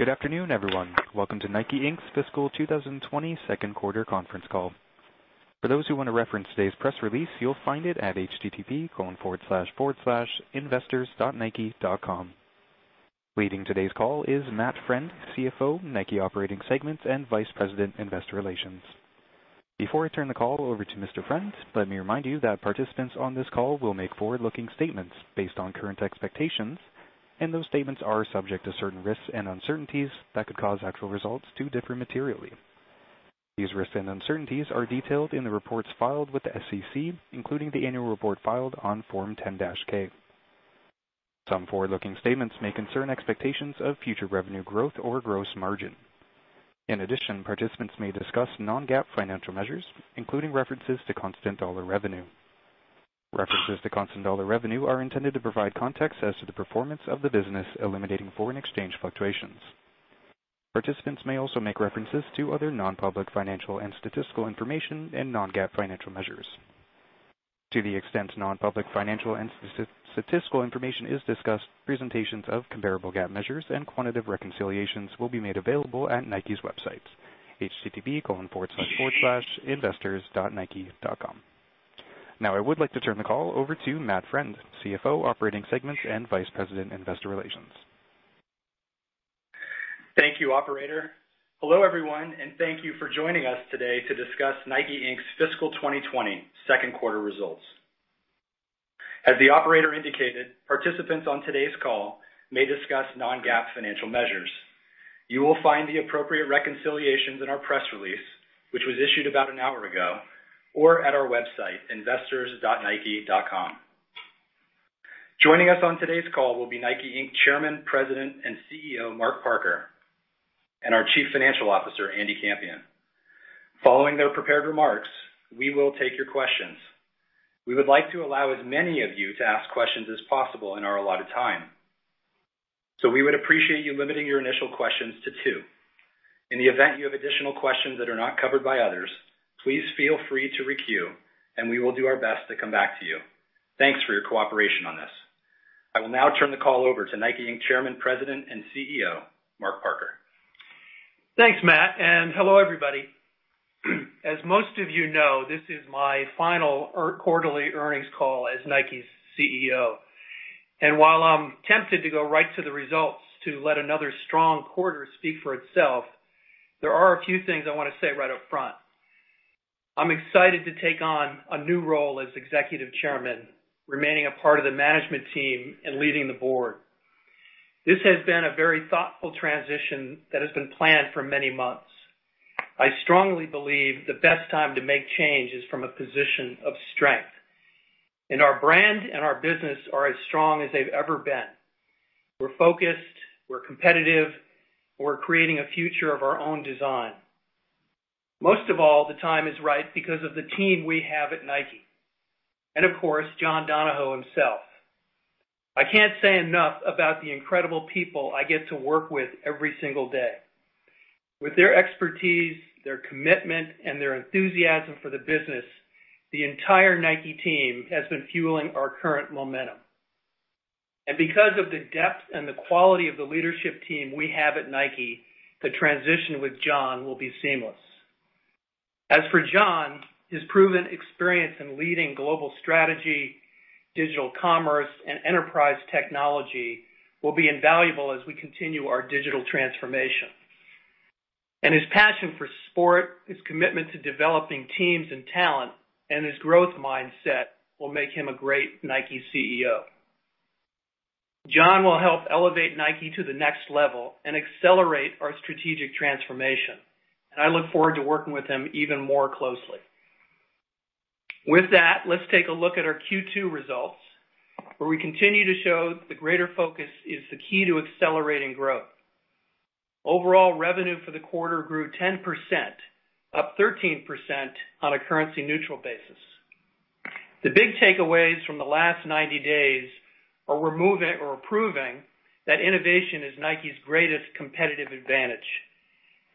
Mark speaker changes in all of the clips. Speaker 1: Good afternoon, everyone. Welcome to NIKE, Inc.'s fiscal 2020 second quarter conference call. For those who want to reference today's press release, you'll find it at http://investors.nike.com. Leading today's call is Matt Friend, CFO, NIKE Operating Segments, and Vice President, Investor Relations. Before I turn the call over to Mr. Friend, let me remind you that participants on this call will make forward-looking statements based on current expectations, and those statements are subject to certain risks and uncertainties that could cause actual results to differ materially. These risks and uncertainties are detailed in the reports filed with the SEC, including the annual report filed on Form 10-K. Some forward-looking statements may concern expectations of future revenue growth or gross margin. In addition, participants may discuss non-GAAP financial measures, including references to constant dollar revenue. References to constant dollar revenue are intended to provide context as to the performance of the business, eliminating foreign exchange fluctuations. Participants may also make references to other non-public financial and statistical information and non-GAAP financial measures. To the extent non-public financial and statistical information is discussed, presentations of comparable GAAP measures and quantitative reconciliations will be made available at Nike's website, http://investors.nike.com. Now, I would like to turn the call over to Matt Friend, CFO, NIKE Operating Segments, and Vice President, Investor Relations.
Speaker 2: Thank you, operator. Hello, everyone, thank you for joining us today to discuss NIKE, Inc.'s fiscal 2020 second quarter results. As the operator indicated, participants on today's call may discuss non-GAAP financial measures. You will find the appropriate reconciliations in our press release, which was issued about an hour ago, or at our website, investors.nike.com. Joining us on today's call will be NIKE, Inc. Chairman, President, and CEO, Mark Parker, and our Chief Financial Officer, Andy Campion. Following their prepared remarks, we will take your questions. We would like to allow as many of you to ask questions as possible in our allotted time. We would appreciate you limiting your initial questions to two. In the event you have additional questions that are not covered by others, please feel free to re-queue and we will do our best to come back to you. Thanks for your cooperation on this. I will now turn the call over to NIKE, Inc. Chairman, President, and CEO, Mark Parker.
Speaker 3: Thanks, Matt. Hello, everybody. As most of you know, this is my final quarterly earnings call as Nike's CEO. While I'm tempted to go right to the results to let another strong quarter speak for itself, there are a few things I want to say right up front. I'm excited to take on a new role as Executive Chairman, remaining a part of the management team and leading the board. This has been a very thoughtful transition that has been planned for many months. I strongly believe the best time to make change is from a position of strength. Our brand and our business are as strong as they've ever been. We're focused, we're competitive, we're creating a future of our own design. Most of all, the time is right because of the team we have at Nike and, of course, John Donahoe himself. I can't say enough about the incredible people I get to work with every single day. With their expertise, their commitment, and their enthusiasm for the business, the entire Nike team has been fueling our current momentum. Because of the depth and the quality of the leadership team we have at Nike, the transition with John will be seamless. As for John, his proven experience in leading global strategy, digital commerce, and enterprise technology will be invaluable as we continue our digital transformation. His passion for sport, his commitment to developing teams and talent, and his growth mindset will make him a great Nike CEO. John will help elevate Nike to the next level and accelerate our strategic transformation, and I look forward to working with him even more closely. With that, let's take a look at our Q2 results, where we continue to show that greater focus is the key to accelerating growth. Overall revenue for the quarter grew 10%, up 13% on a currency-neutral basis. The big takeaways from the last 90 days are proving that innovation is Nike's greatest competitive advantage.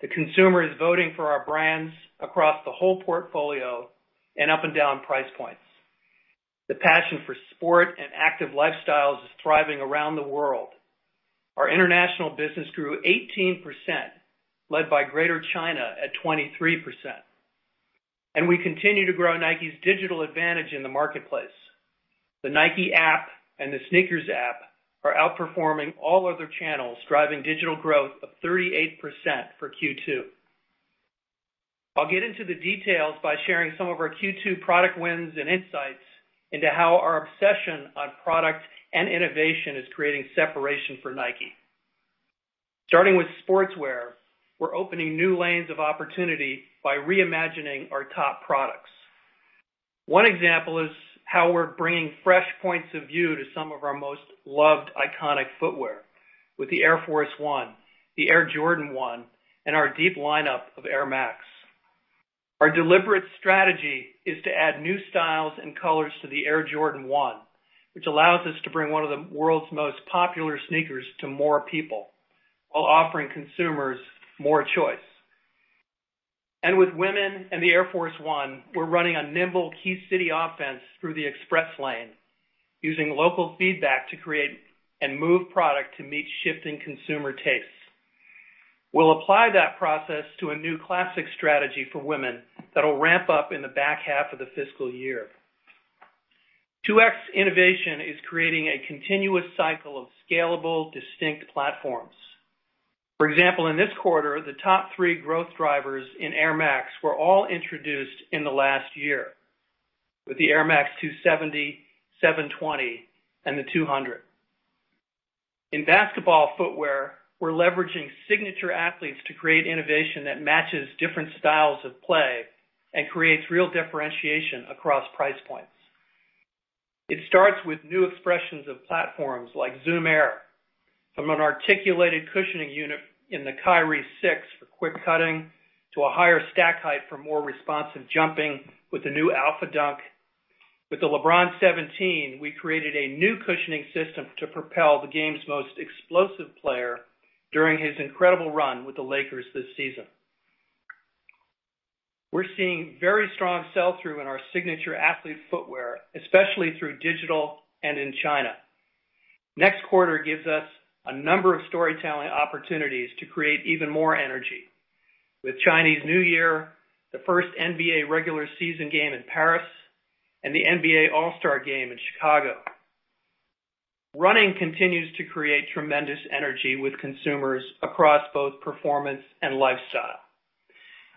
Speaker 3: The consumer is voting for our brands across the whole portfolio and up and down price points. The passion for sport and active lifestyles is thriving around the world. Our international business grew 18%, led by Greater China at 23%. We continue to grow Nike's digital advantage in the marketplace. The Nike App and the SNKRS App are outperforming all other channels, driving digital growth of 38% for Q2. I'll get into the details by sharing some of our Q2 product wins and insights into how our obsession on product and innovation is creating separation for Nike. Starting with Sportswear, we're opening new lanes of opportunity by reimagining our top products. One example is how we're bringing fresh points of view to some of our most loved iconic footwear with the Air Force 1, the Air Jordan 1, and our deep lineup of Air Max. Our deliberate strategy is to add new styles and colors to the Air Jordan 1, which allows us to bring one of the world's most popular sneakers to more people while offering consumers more choice. With women and the Air Force 1, we're running a nimble key city offense through the express lane using local feedback to create and move product to meet shifting consumer tastes. We'll apply that process to a new classic strategy for women that'll ramp up in the back half of the fiscal year. 2X Innovation is creating a continuous cycle of scalable, distinct platforms. For example, in this quarter, the top three growth drivers in Air Max were all introduced in the last year with the Air Max 270, 720, and the 200. In basketball footwear, we're leveraging signature athletes to create innovation that matches different styles of play and creates real differentiation across price points. It starts with new expressions of platforms like Zoom Air from an articulated cushioning unit in the Kyrie 6 for quick cutting to a higher stack height for more responsive jumping with the new AlphaDunk. With the LeBron 17, we created a new cushioning system to propel the game's most explosive player during his incredible run with the Lakers this season. We're seeing very strong sell-through in our signature athlete footwear, especially through digital and in China. Next quarter gives us a number of storytelling opportunities to create even more energy. With Chinese New Year, the first NBA regular season game in Paris, and the NBA All-Star Game in Chicago. Running continues to create tremendous energy with consumers across both performance and lifestyle.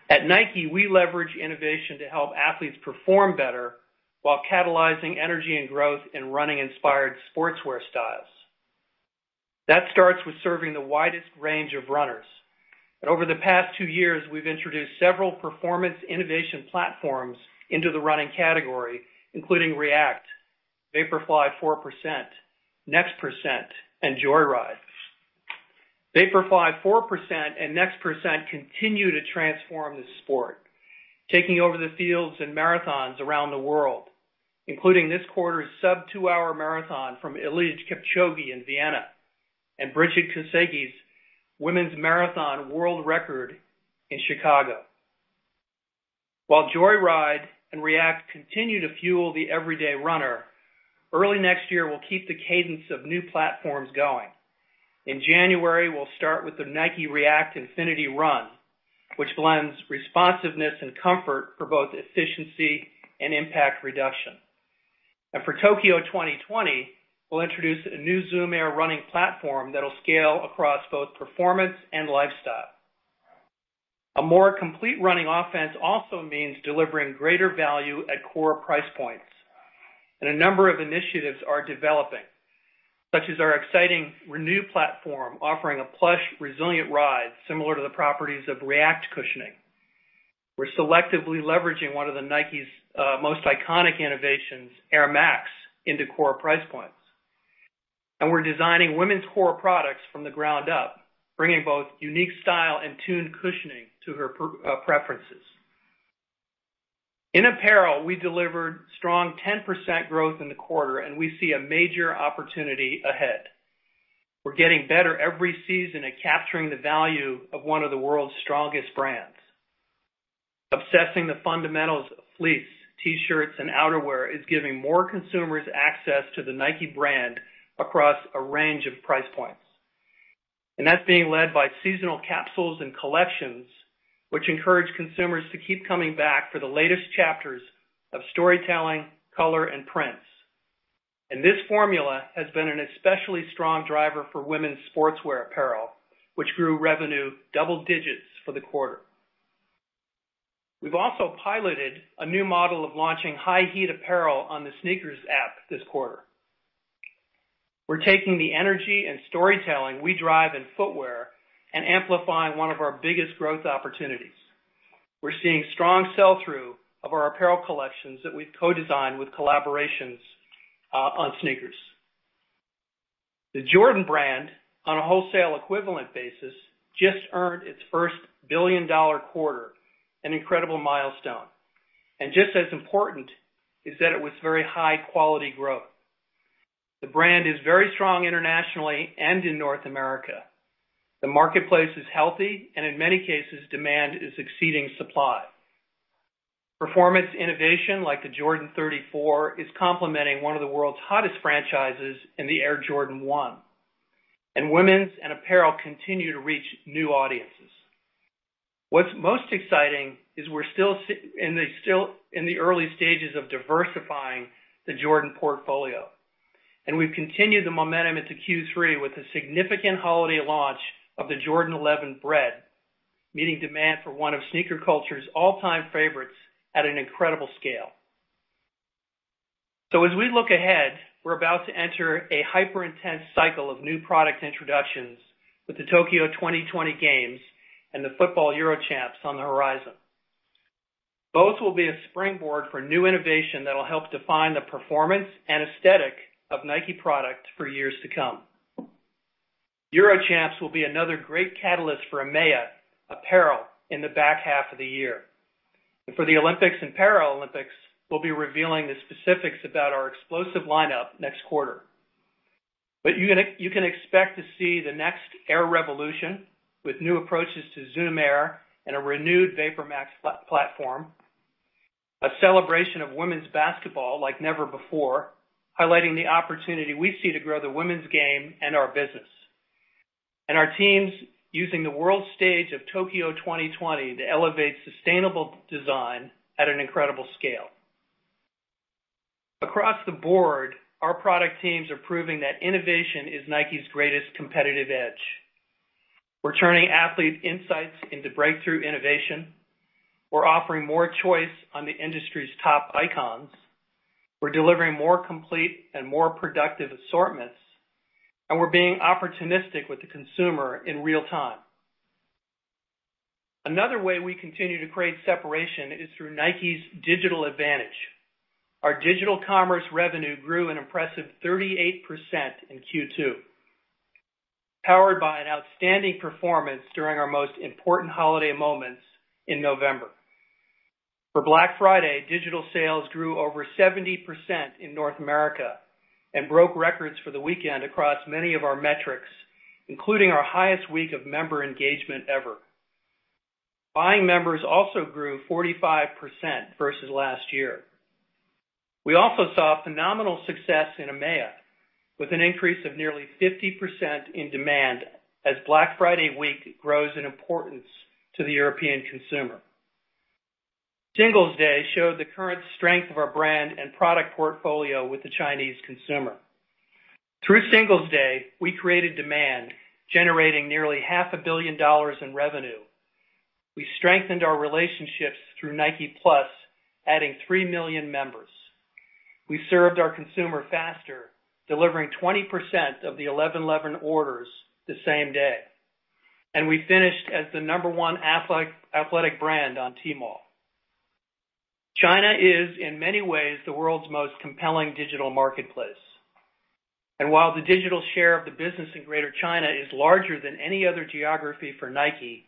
Speaker 3: At Nike, we leverage innovation to help athletes perform better while catalyzing energy and growth in running-inspired Sportswear styles. That starts with serving the widest range of runners. Over the past two years, we've introduced several performance innovation platforms into the running category, including React, Vaporfly 4%, Next%, and Joyride. Vaporfly 4% and Next% continue to transform the sport, taking over the fields and marathons around the world, including this quarter's sub-two-hour marathon from Eliud Kipchoge in Vienna and Brigid Kosgei's women's marathon world record in Chicago. While Joyride and React continue to fuel the everyday runner, early next year, we'll keep the cadence of new platforms going. In January, we'll start with the Nike React Infinity Run, which blends responsiveness and comfort for both efficiency and impact reduction. For Tokyo 2020, we'll introduce a new Zoom Air running platform that'll scale across both performance and lifestyle. A more complete running offense also means delivering greater value at core price points. A number of initiatives are developing, such as our exciting Renew platform, offering a plush, resilient ride similar to the properties of React cushioning. We're selectively leveraging one of the Nike's most iconic innovations, Air Max, into core price points. We're designing women's core products from the ground up, bringing both unique style and tuned cushioning to her preferences. In apparel, we delivered strong 10% growth in the quarter. We see a major opportunity ahead. We're getting better every season at capturing the value of one of the world's strongest brands. Obsessing the fundamentals of fleece, T-shirts, and outerwear is giving more consumers access to the Nike brand across a range of price points. That's being led by seasonal capsules and collections, which encourage consumers to keep coming back for the latest chapters of storytelling, color, and prints. This formula has been an especially strong driver for women's Sportswear apparel, which grew revenue double digits for the quarter. We've also piloted a new model of launching high heat apparel on the SNKRS App this quarter. We're taking the energy and storytelling we drive in footwear and amplifying one of our biggest growth opportunities. We're seeing strong sell-through of our apparel collections that we've co-designed with collaborations on SNKRS. The Jordan brand, on a wholesale equivalent basis, just earned its first billion-dollar quarter, an incredible milestone. Just as important is that it was very high-quality growth. The brand is very strong internationally and in North America. The marketplace is healthy, and in many cases, demand is exceeding supply. Performance innovation like the Jordan 34 is complementing one of the world's hottest franchises in the Air Jordan 1. Women's and apparel continue to reach new audiences. What's most exciting is we're still in the early stages of diversifying the Jordan portfolio. We've continued the momentum into Q3 with a significant holiday launch of the Jordan 11 Bred, meeting demand for one of sneaker culture's all-time favorites at an incredible scale. As we look ahead, we're about to enter a hyper-intense cycle of new product introductions with the Tokyo 2020 Games and the football EuroChamps on the horizon. Both will be a springboard for new innovation that will help define the performance and aesthetic of Nike product for years to come. EuroChamps will be another great catalyst for EMEA apparel in the back half of the year. For the Olympics and Paralympics, we'll be revealing the specifics about our explosive lineup next quarter. You can expect to see the next Air revolution with new approaches to Zoom Air and a renewed VaporMax platform. A celebration of women's basketball like never before, highlighting the opportunity we see to grow the women's game and our business. Our teams using the world stage of Tokyo 2020 to elevate sustainable design at an incredible scale. Across the board, our product teams are proving that innovation is Nike's greatest competitive edge. We're turning athlete insights into breakthrough innovation. We're offering more choice on the industry's top icons. We're delivering more complete and more productive assortments, we're being opportunistic with the consumer in real time. Another way we continue to create separation is through Nike's digital advantage. Our digital commerce revenue grew an impressive 38% in Q2, powered by an outstanding performance during our most important holiday moments in November. For Black Friday, digital sales grew over 70% in North America and broke records for the weekend across many of our metrics, including our highest week of member engagement ever. Buying members also grew 45% versus last year. We also saw phenomenal success in EMEA, with an increase of nearly 50% in demand as Black Friday week grows in importance to the European consumer. Singles Day showed the current strength of our brand and product portfolio with the Chinese consumer. Through Singles Day, we created demand, generating nearly half a billion dollars in revenue. We strengthened our relationships through NikePlus, adding 3 million members. We served our consumer faster, delivering 20% of the 11:11 orders the same day. We finished as the number 1 athletic brand on Tmall. China is, in many ways, the world's most compelling digital marketplace. While the digital share of the business in Greater China is larger than any other geography for Nike,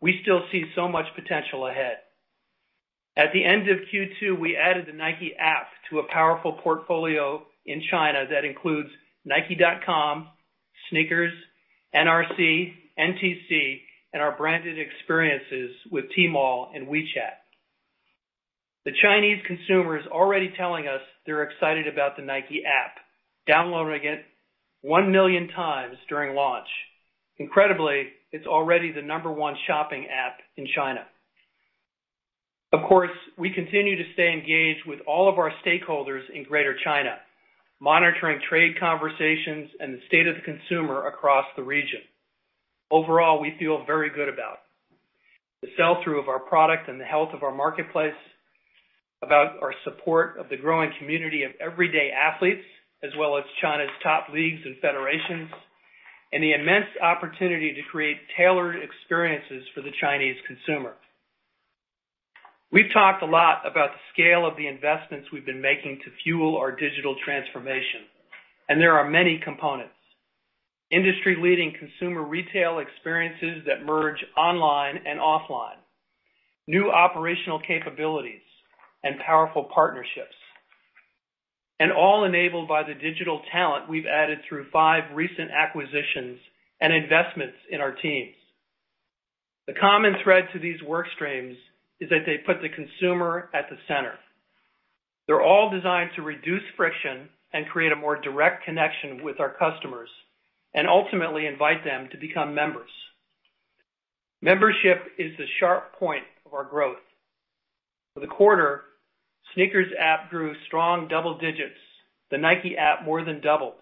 Speaker 3: we still see so much potential ahead. At the end of Q2, we added the Nike App to a powerful portfolio in China that includes nike.com, SNKRS, NRC, NTC, and our branded experiences with Tmall and WeChat. The Chinese consumer is already telling us they're excited about the Nike App, downloading it 1 million times during launch. Incredibly, it's already the number one shopping app in China. We continue to stay engaged with all of our stakeholders in Greater China, monitoring trade conversations and the state of the consumer across the region. We feel very good about the sell-through of our product and the health of our marketplace, about our support of the growing community of everyday athletes, as well as China's top leagues and federations, and the immense opportunity to create tailored experiences for the Chinese consumer. We've talked a lot about the scale of the investments we've been making to fuel our digital transformation, and there are many components. Industry-leading consumer retail experiences that merge online and offline, new operational capabilities, and powerful partnerships. All enabled by the digital talent we've added through five recent acquisitions and investments in our teams. The common thread to these work streams is that they put the consumer at the center. They're all designed to reduce friction and create a more direct connection with our customers and ultimately invite them to become members. Membership is the sharp point of our growth. For the quarter, SNKRS App grew strong double digits. The Nike App more than doubled.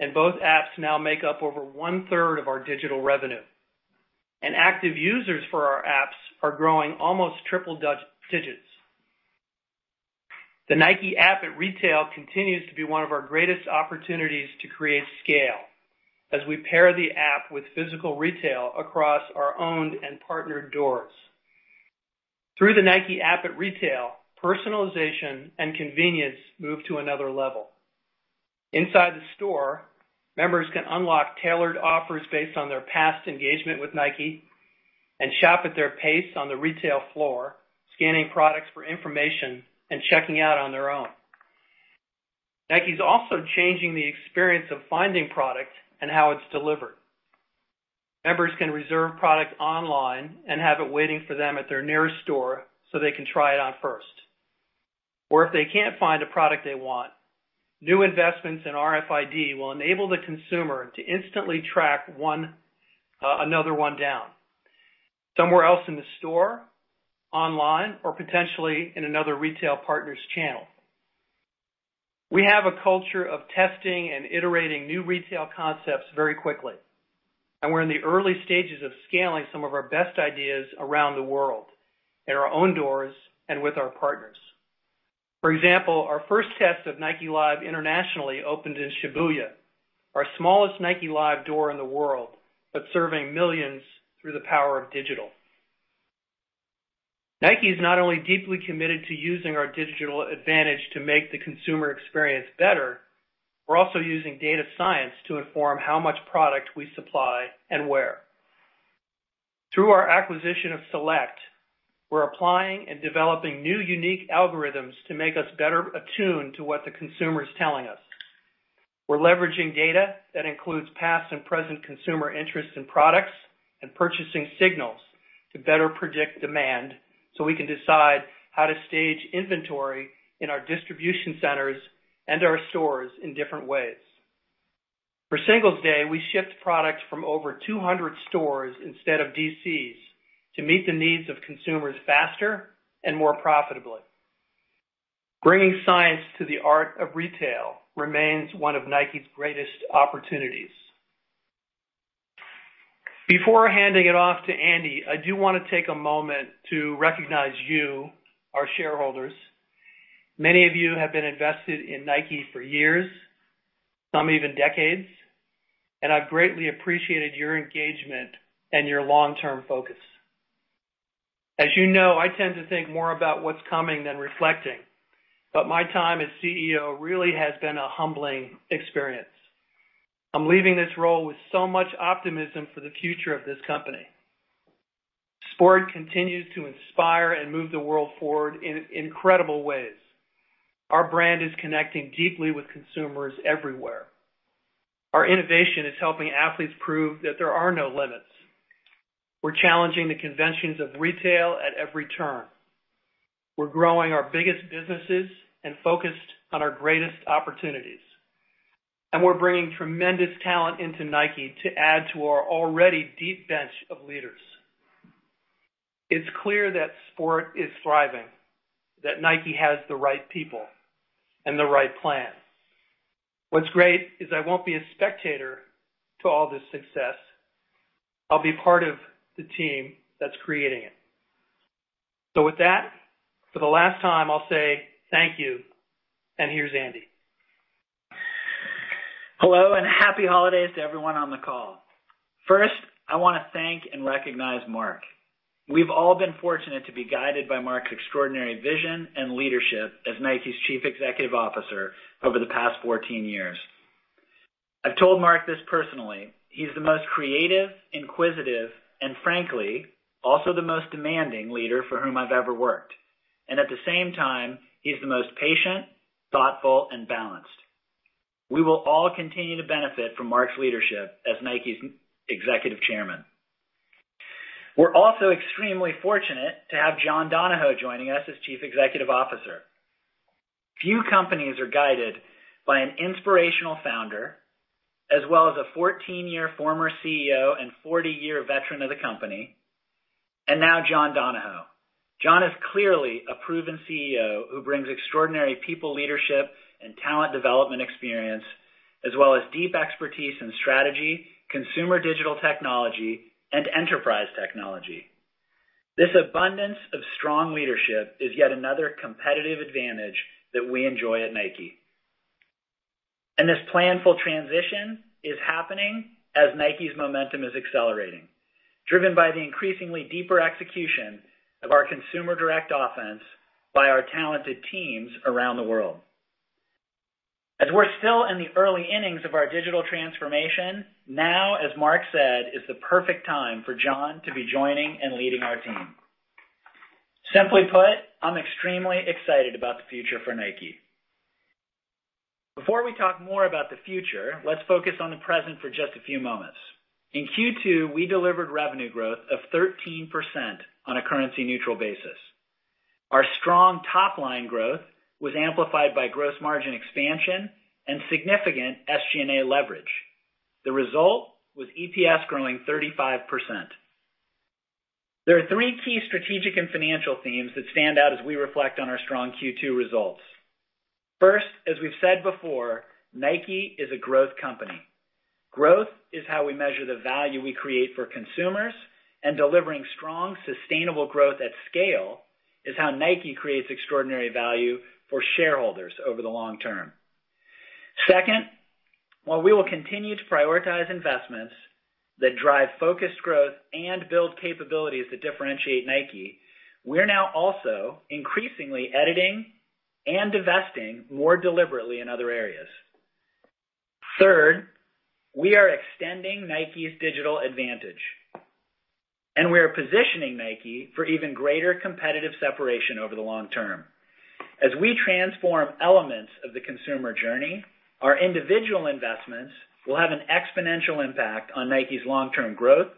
Speaker 3: Both apps now make up over one-third of our digital revenue. Active users for our apps are growing almost triple digits. The Nike App at retail continues to be one of our greatest opportunities to create scale as we pair the App with physical retail across our owned and partnered doors. Through the Nike App at retail, personalization and convenience move to another level. Inside the store, members can unlock tailored offers based on their past engagement with Nike and shop at their pace on the retail floor, scanning products for information and checking out on their own. Nike's also changing the experience of finding product and how it's delivered. Members can reserve product online and have it waiting for them at their nearest store so they can try it on first. If they can't find a product they want. New investments in RFID will enable the consumer to instantly track another one down somewhere else in the store, online, or potentially in another retail partner's channel. We have a culture of testing and iterating new retail concepts very quickly, and we're in the early stages of scaling some of our best ideas around the world in our own doors and with our partners. For example, our first test of Nike Live internationally opened in Shibuya, our smallest Nike Live door in the world, but serving millions through the power of digital. Nike is not only deeply committed to using our digital advantage to make the consumer experience better, we're also using data science to inform how much product we supply and where. Through our acquisition of Celect, we're applying and developing new unique algorithms to make us better attuned to what the consumer's telling us. We're leveraging data that includes past and present consumer interest in products and purchasing signals to better predict demand so we can decide how to stage inventory in our distribution centers and our stores in different ways. For Singles' Day, we shipped products from over 200 stores instead of DCs to meet the needs of consumers faster and more profitably. Bringing science to the art of retail remains one of Nike's greatest opportunities. Before handing it off to Andy, I do want to take a moment to recognize you, our shareholders. Many of you have been invested in Nike for years, some even decades, and I've greatly appreciated your engagement and your long-term focus. As you know, I tend to think more about what's coming than reflecting, but my time as CEO really has been a humbling experience. I'm leaving this role with so much optimism for the future of this company. Sport continues to inspire and move the world forward in incredible ways. Our brand is connecting deeply with consumers everywhere. Our innovation is helping athletes prove that there are no limits. We're challenging the conventions of retail at every turn. We're growing our biggest businesses and focused on our greatest opportunities. We're bringing tremendous talent into Nike to add to our already deep bench of leaders. It's clear that sport is thriving, that Nike has the right people and the right plan. What's great is I won't be a spectator to all this success. I'll be part of the team that's creating it. With that, for the last time, I'll say thank you, and here's Andy.
Speaker 4: Hello, happy holidays to everyone on the call. First, I want to thank and recognize Mark. We've all been fortunate to be guided by Mark's extraordinary vision and leadership as Nike's Chief Executive Officer over the past 14 years. I've told Mark this personally, he's the most creative, inquisitive, and frankly, also the most demanding leader for whom I've ever worked. At the same time, he's the most patient, thoughtful, and balanced. We will all continue to benefit from Mark's leadership as Nike's Executive Chairman. We're also extremely fortunate to have John Donahoe joining us as Chief Executive Officer. Few companies are guided by an inspirational founder as well as a 14-year former CEO and 40-year veteran of the company, and now John Donahoe. John is clearly a proven CEO who brings extraordinary people leadership and talent development experience, as well as deep expertise in strategy, consumer digital technology, and enterprise technology. This abundance of strong leadership is yet another competitive advantage that we enjoy at Nike. This planful transition is happening as Nike's momentum is accelerating, driven by the increasingly deeper execution of our Consumer Direct Offense by our talented teams around the world. As we're still in the early innings of our digital transformation, now, as Mark said, is the perfect time for John to be joining and leading our team. Simply put, I'm extremely excited about the future for Nike. Before we talk more about the future, let's focus on the present for just a few moments. In Q2, we delivered revenue growth of 13% on a currency-neutral basis. Our strong top-line growth was amplified by gross margin expansion and significant SG&A leverage. The result was EPS growing 35%. There are three key strategic and financial themes that stand out as we reflect on our strong Q2 results. First, as we've said before, Nike is a growth company. Growth is how we measure the value we create for consumers and delivering strong, sustainable growth at scale is how Nike creates extraordinary value for shareholders over the long term. Second, while we will continue to prioritize investments that drive focused growth and build capabilities that differentiate Nike, we're now also increasingly editing and divesting more deliberately in other areas. Third, we are extending Nike's digital advantage, and we are positioning Nike for even greater competitive separation over the long term. As we transform elements of the consumer journey, our individual investments will have an exponential impact on Nike's long-term growth,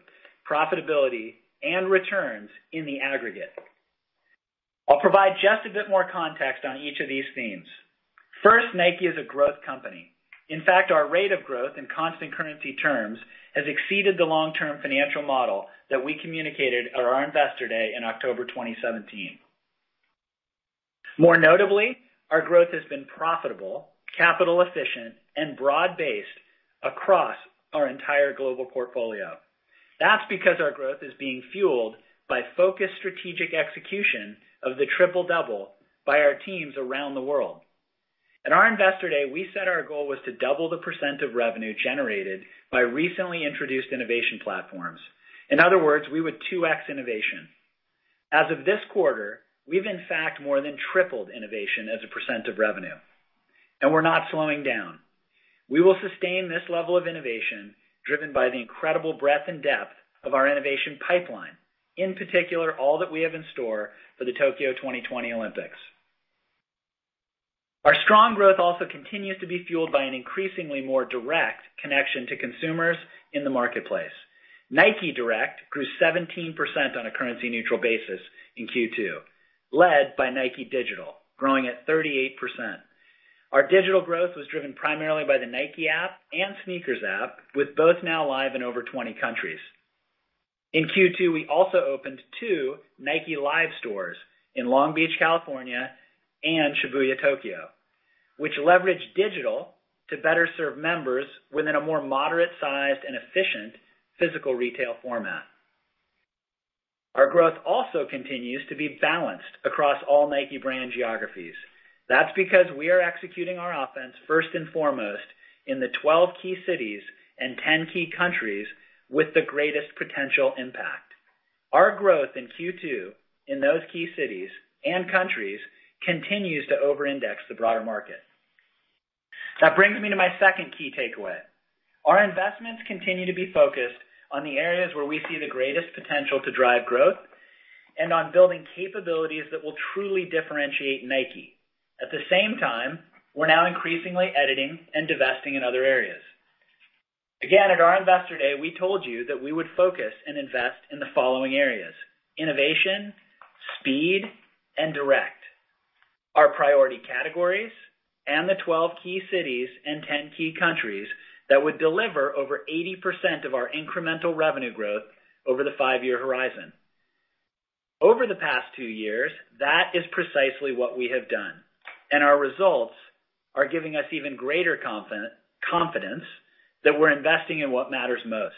Speaker 4: profitability, and returns in the aggregate. I'll provide just a bit more context on each of these themes. First, Nike is a growth company. In fact, our rate of growth in constant currency terms has exceeded the long-term financial model that we communicated at our Investor Day in October 2017. More notably, our growth has been profitable, capital efficient, and broad-based across our entire global portfolio. That's because our growth is being fueled by focused strategic execution of the Triple Double by our teams around the world. At our Investor Day, we said our goal was to double the percent of revenue generated by recently introduced innovation platforms. In other words, we would 2X Innovation. As of this quarter, we've in fact more than tripled innovation as a percent of revenue. We're not slowing down. We will sustain this level of innovation driven by the incredible breadth and depth of our innovation pipeline, in particular, all that we have in store for the Tokyo 2020 Olympics. Our strong growth also continues to be fueled by an increasingly more direct connection to consumers in the marketplace. Nike Direct grew 17% on a currency neutral basis in Q2, led by Nike Digital, growing at 38%. Our digital growth was driven primarily by the Nike App and SNKRS App, with both now live in over 20 countries. In Q2, we also opened two Nike Live stores in Long Beach, California, and Shibuya, Tokyo, which leverage digital to better serve members within a more moderate sized and efficient physical retail format. Our growth also continues to be balanced across all Nike brand geographies. That's because we are executing our offense first and foremost in the 12 key cities and 10 key countries with the greatest potential impact. Our growth in Q2, in those key cities and countries, continues to over-index the broader market. That brings me to my second key takeaway. Our investments continue to be focused on the areas where we see the greatest potential to drive growth and on building capabilities that will truly differentiate Nike. At the same time, we're now increasingly editing and divesting in other areas. Again, at our investor day, we told you that we would focus and invest in the following areas. Innovation, Speed, and Direct. Our priority categories and the 12 key cities and 10 key countries that would deliver over 80% of our incremental revenue growth over the five-year horizon. Over the past two years, that is precisely what we have done, and our results are giving us even greater confidence that we're investing in what matters most.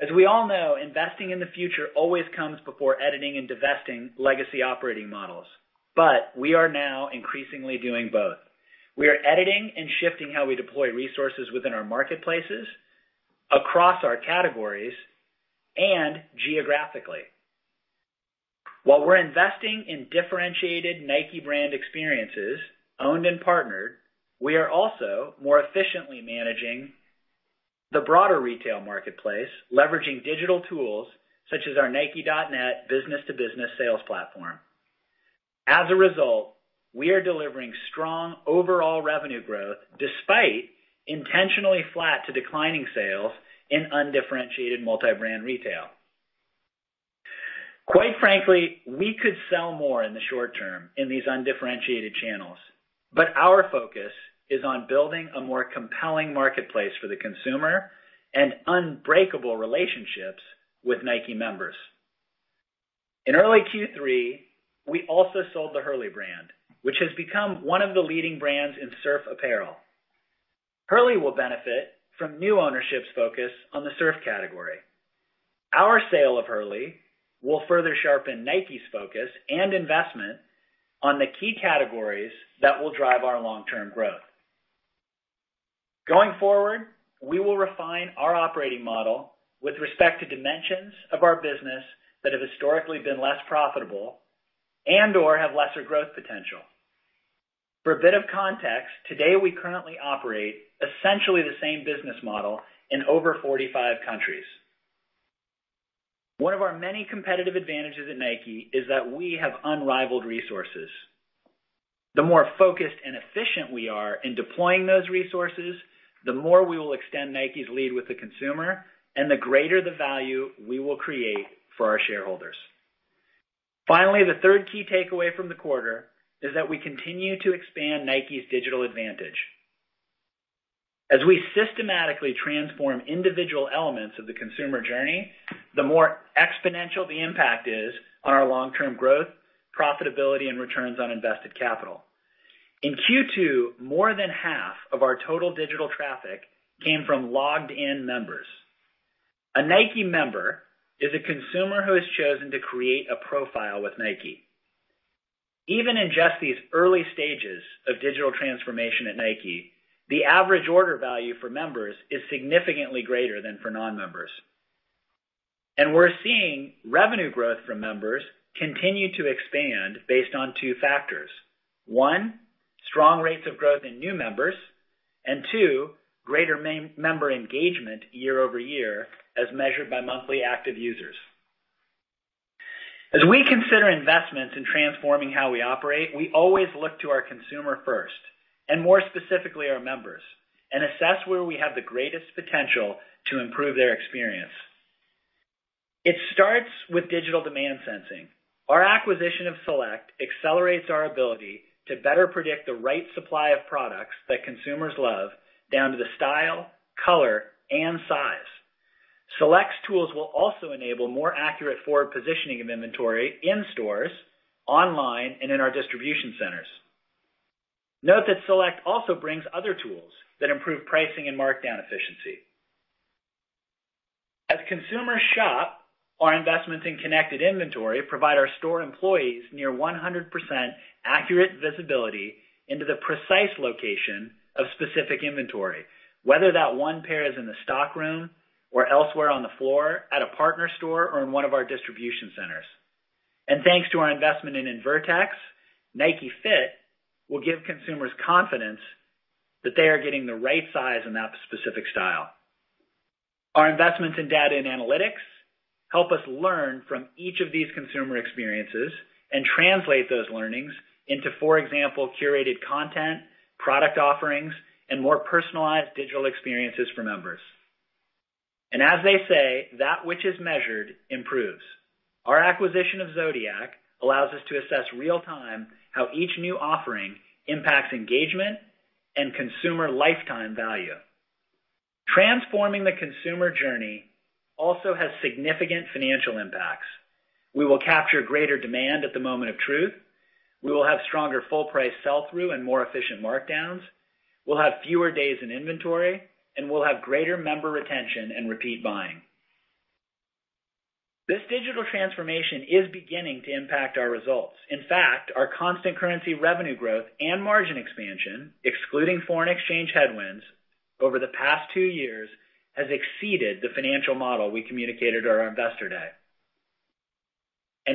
Speaker 4: As we all know, investing in the future always comes before editing and divesting legacy operating models, but we are now increasingly doing both. We are editing and shifting how we deploy resources within our marketplaces, across our categories, and geographically. While we're investing in differentiated Nike brand experiences, owned and partnered, we are also more efficiently managing the broader retail marketplace, leveraging digital tools such as our nike.net business to business sales platform. As a result, we are delivering strong overall revenue growth despite intentionally flat to declining sales in undifferentiated multi-brand retail. Quite frankly, we could sell more in the short term in these undifferentiated channels, but our focus is on building a more compelling marketplace for the consumer and unbreakable relationships with Nike members. In early Q3, we also sold the Hurley brand, which has become one of the leading brands in surf apparel. Hurley will benefit from new ownership's focus on the surf category. Our sale of Hurley will further sharpen Nike's focus and investment on the key categories that will drive our long-term growth. Going forward, we will refine our operating model with respect to dimensions of our business that have historically been less profitable and/or have lesser growth potential. For a bit of context, today we currently operate essentially the same business model in over 45 countries. One of our many competitive advantages at Nike is that we have unrivaled resources. The more focused and efficient we are in deploying those resources, the more we will extend Nike's lead with the consumer, and the greater the value we will create for our shareholders. The third key takeaway from the quarter is that we continue to expand Nike's digital advantage. As we systematically transform individual elements of the consumer journey, the more exponential the impact is on our long-term growth, profitability, and returns on invested capital. In Q2, more than half of our total digital traffic came from logged in members. A Nike member is a consumer who has chosen to create a profile with Nike. Even in just these early stages of digital transformation at Nike, the average order value for members is significantly greater than for non-members. We're seeing revenue growth from members continue to expand based on two factors. One, strong rates of growth in new members, and two, greater member engagement year-over-year as measured by monthly active users. As we consider investments in transforming how we operate, we always look to our consumer first, and more specifically our members, and assess where we have the greatest potential to improve their experience. It starts with digital demand sensing. Our acquisition of Celect accelerates our ability to better predict the right supply of products that consumers love down to the style, color, and size. Celect's tools will also enable more accurate forward positioning of inventory in stores, online, and in our distribution centers. Note that Celect also brings other tools that improve pricing and markdown efficiency. As consumers shop our investments in connected inventory, provide our store employees near 100% accurate visibility into the precise location of specific inventory, whether that one pair is in the stockroom or elsewhere on the floor, at a partner store or in one of our distribution centers. Thanks to our investment in Invertex, Nike Fit will give consumers confidence that they are getting the right size in that specific style. Our investments in data and analytics help us learn from each of these consumer experiences and translate those learnings into, for example, curated content, product offerings, and more personalized digital experiences for members. As they say, that which is measured improves. Our acquisition of Zodiac allows us to assess real-time how each new offering impacts engagement and consumer lifetime value. Transforming the consumer journey also has significant financial impacts. We will capture greater demand at the moment of truth, we will have stronger full price sell-through and more efficient markdowns, we'll have fewer days in inventory, and we'll have greater member retention and repeat buying. This digital transformation is beginning to impact our results. In fact, our constant currency revenue growth and margin expansion, excluding foreign exchange headwinds over the past two years, has exceeded the financial model we communicated at our Investor Day.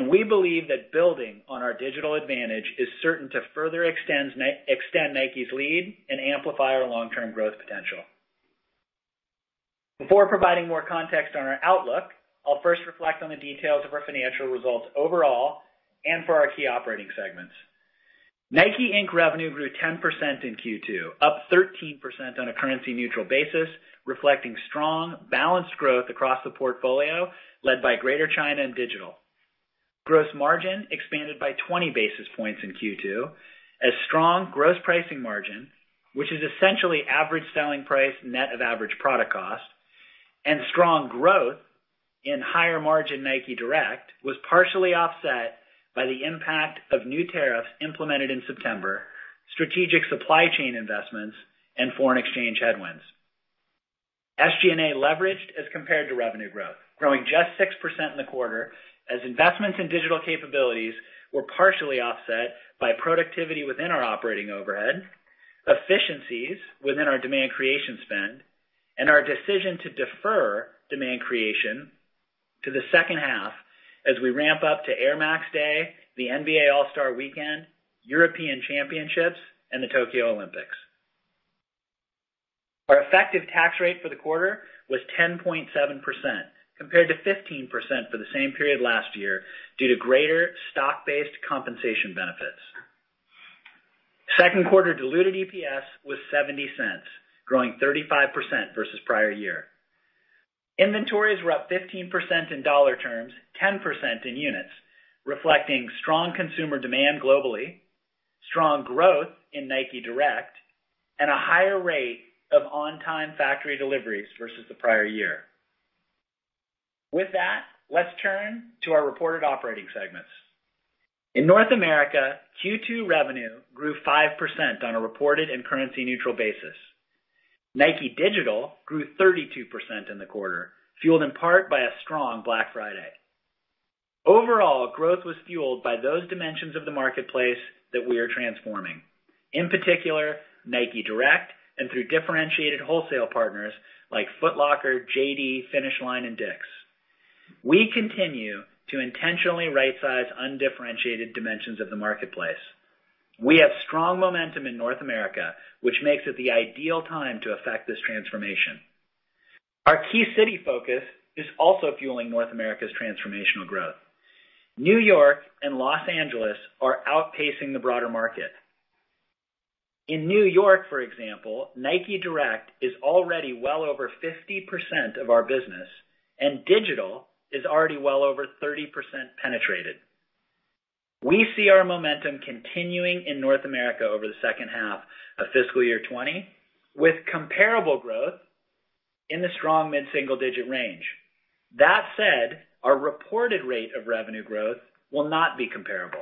Speaker 4: We believe that building on our digital advantage is certain to further extend Nike's lead and amplify our long-term growth potential. Before providing more context on our outlook, I'll first reflect on the details of our financial results overall and for our key operating segments. NIKE Inc. revenue grew 10% in Q2, up 13% on a currency-neutral basis, reflecting strong, balanced growth across the portfolio led by Greater China and digital. Gross margin expanded by 20 basis points in Q2 as strong gross pricing margin, which is essentially average selling price net of average product cost. Strong growth in higher margin NIKE Direct was partially offset by the impact of new tariffs implemented in September, strategic supply chain investments, and foreign exchange headwinds. SG&A leveraged as compared to revenue growth, growing just 6% in the quarter as investments in digital capabilities were partially offset by productivity within our operating overhead, efficiencies within our demand creation spend, and our decision to defer demand creation to the second half as we ramp up to Air Max Day, the NBA All-Star Weekend, European Championships, and the Tokyo Olympics. Our effective tax rate for the quarter was 10.7%, compared to 15% for the same period last year due to greater stock-based compensation benefits. Second quarter diluted EPS was $0.70, growing 35% versus prior year. Inventories were up 15% in dollar terms, 10% in units, reflecting strong consumer demand globally, strong growth in NIKE Direct, and a higher rate of on-time factory deliveries versus the prior year. With that, let's turn to our reported operating segments. In North America, Q2 revenue grew 5% on a reported and currency-neutral basis. NIKE Digital grew 32% in the quarter, fueled in part by a strong Black Friday. Overall, growth was fueled by those dimensions of the marketplace that we are transforming. In particular, NIKE Direct and through differentiated wholesale partners like Foot Locker, JD, Finish Line, and DICK'S. We continue to intentionally right size undifferentiated dimensions of the marketplace. We have strong momentum in North America, which makes it the ideal time to affect this transformation. Our key city focus is also fueling North America's transformational growth. New York and Los Angeles are outpacing the broader market. In New York, for example, NIKE Direct is already well over 50% of our business. Digital is already well over 30% penetrated. We see our momentum continuing in North America over the second half of fiscal year 2020 with comparable growth in the strong mid-single digit range. That said, our reported rate of revenue growth will not be comparable.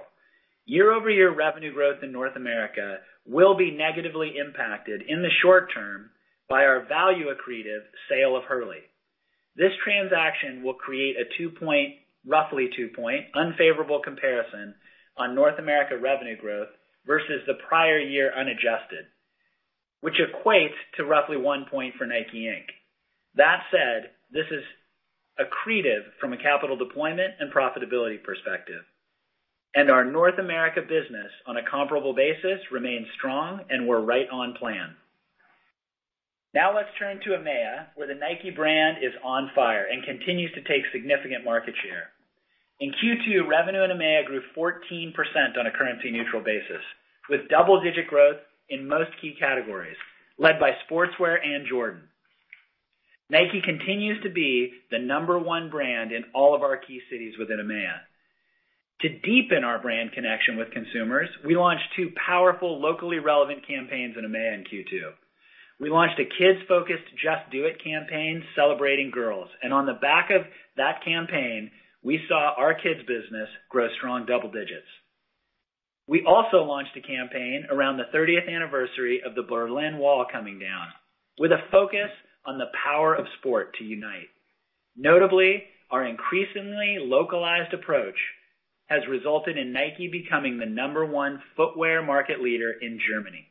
Speaker 4: Year-over-year revenue growth in North America will be negatively impacted in the short term by our value-accretive sale of Hurley. This transaction will create a roughly two-point unfavorable comparison on North America revenue growth versus the prior year unadjusted, which equates to roughly one point for NIKE, Inc. That said, this is accretive from a capital deployment and profitability perspective. Our North America business on a comparable basis remains strong and we're right on plan. Let's turn to EMEA, where the Nike brand is on fire and continues to take significant market share. In Q2, revenue in EMEA grew 14% on a currency-neutral basis, with double-digit growth in most key categories led by Sportswear and Jordan. Nike continues to be the number one brand in all of our key cities within EMEA. To deepen our brand connection with consumers, we launched two powerful, locally relevant campaigns in EMEA in Q2. We launched a kids-focused Just Do It campaign celebrating girls, and on the back of that campaign, we saw our kids' business grow strong double digits. We also launched a campaign around the 30th anniversary of the Berlin Wall coming down with a focus on the power of sport to unite. Notably, our increasingly localized approach has resulted in Nike becoming the number one footwear market leader in Germany.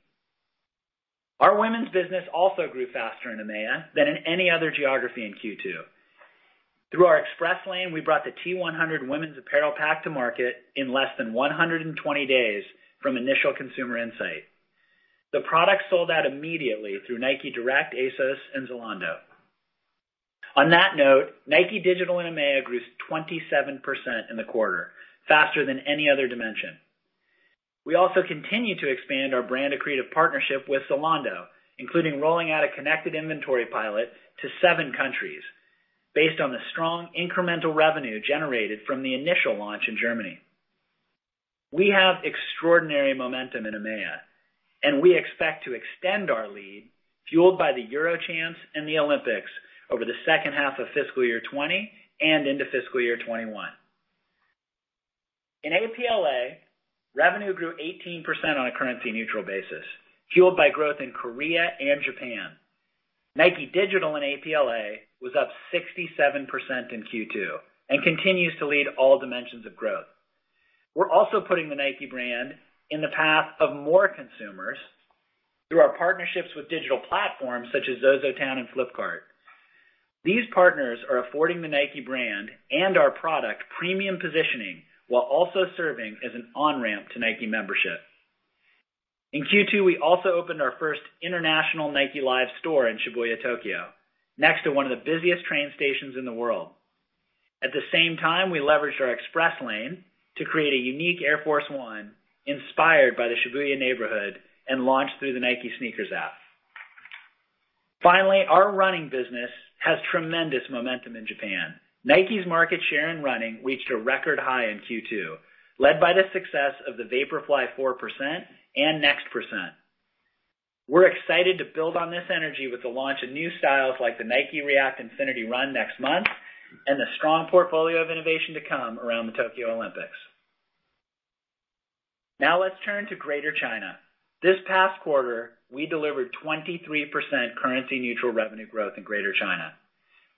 Speaker 4: Our women's business also grew faster in EMEA than in any other geography in Q2. Through our Express Lane, we brought the T100 women's apparel pack to market in less than 120 days from initial consumer insight. The product sold out immediately through NIKE Direct, ASOS, and Zalando. On that note, NIKE Digital in EMEA grew 27% in the quarter, faster than any other dimension. We also continue to expand our brand of creative partnership with Zalando, including rolling out a connected inventory pilot to seven countries based on the strong incremental revenue generated from the initial launch in Germany. We have extraordinary momentum in EMEA, we expect to extend our lead, fueled by the Eurochamps and the Olympics over the second half of fiscal year 2020 and into fiscal year 2021. In APLA, revenue grew 18% on a currency neutral basis, fueled by growth in Korea and Japan. Nike Digital in APLA was up 67% in Q2 and continues to lead all dimensions of growth. We're also putting the Nike brand in the path of more consumers through our partnerships with digital platforms such as Zozotown and Flipkart. These partners are affording the Nike brand and our product premium positioning while also serving as an on-ramp to Nike membership. In Q2, we also opened our first international Nike Live store in Shibuya, Tokyo, next to one of the busiest train stations in the world. At the same time, we leveraged our Express Lane to create a unique Air Force 1 inspired by the Shibuya neighborhood and launched through the Nike SNKRS app. Finally, our running business has tremendous momentum in Japan. Nike's market share in running reached a record high in Q2, led by the success of the Vaporfly 4% and Next%. We're excited to build on this energy with the launch of new styles like the Nike React Infinity Run next month and the strong portfolio of innovation to come around the Tokyo Olympics. Let's turn to Greater China. This past quarter, we delivered 23% currency neutral revenue growth in Greater China.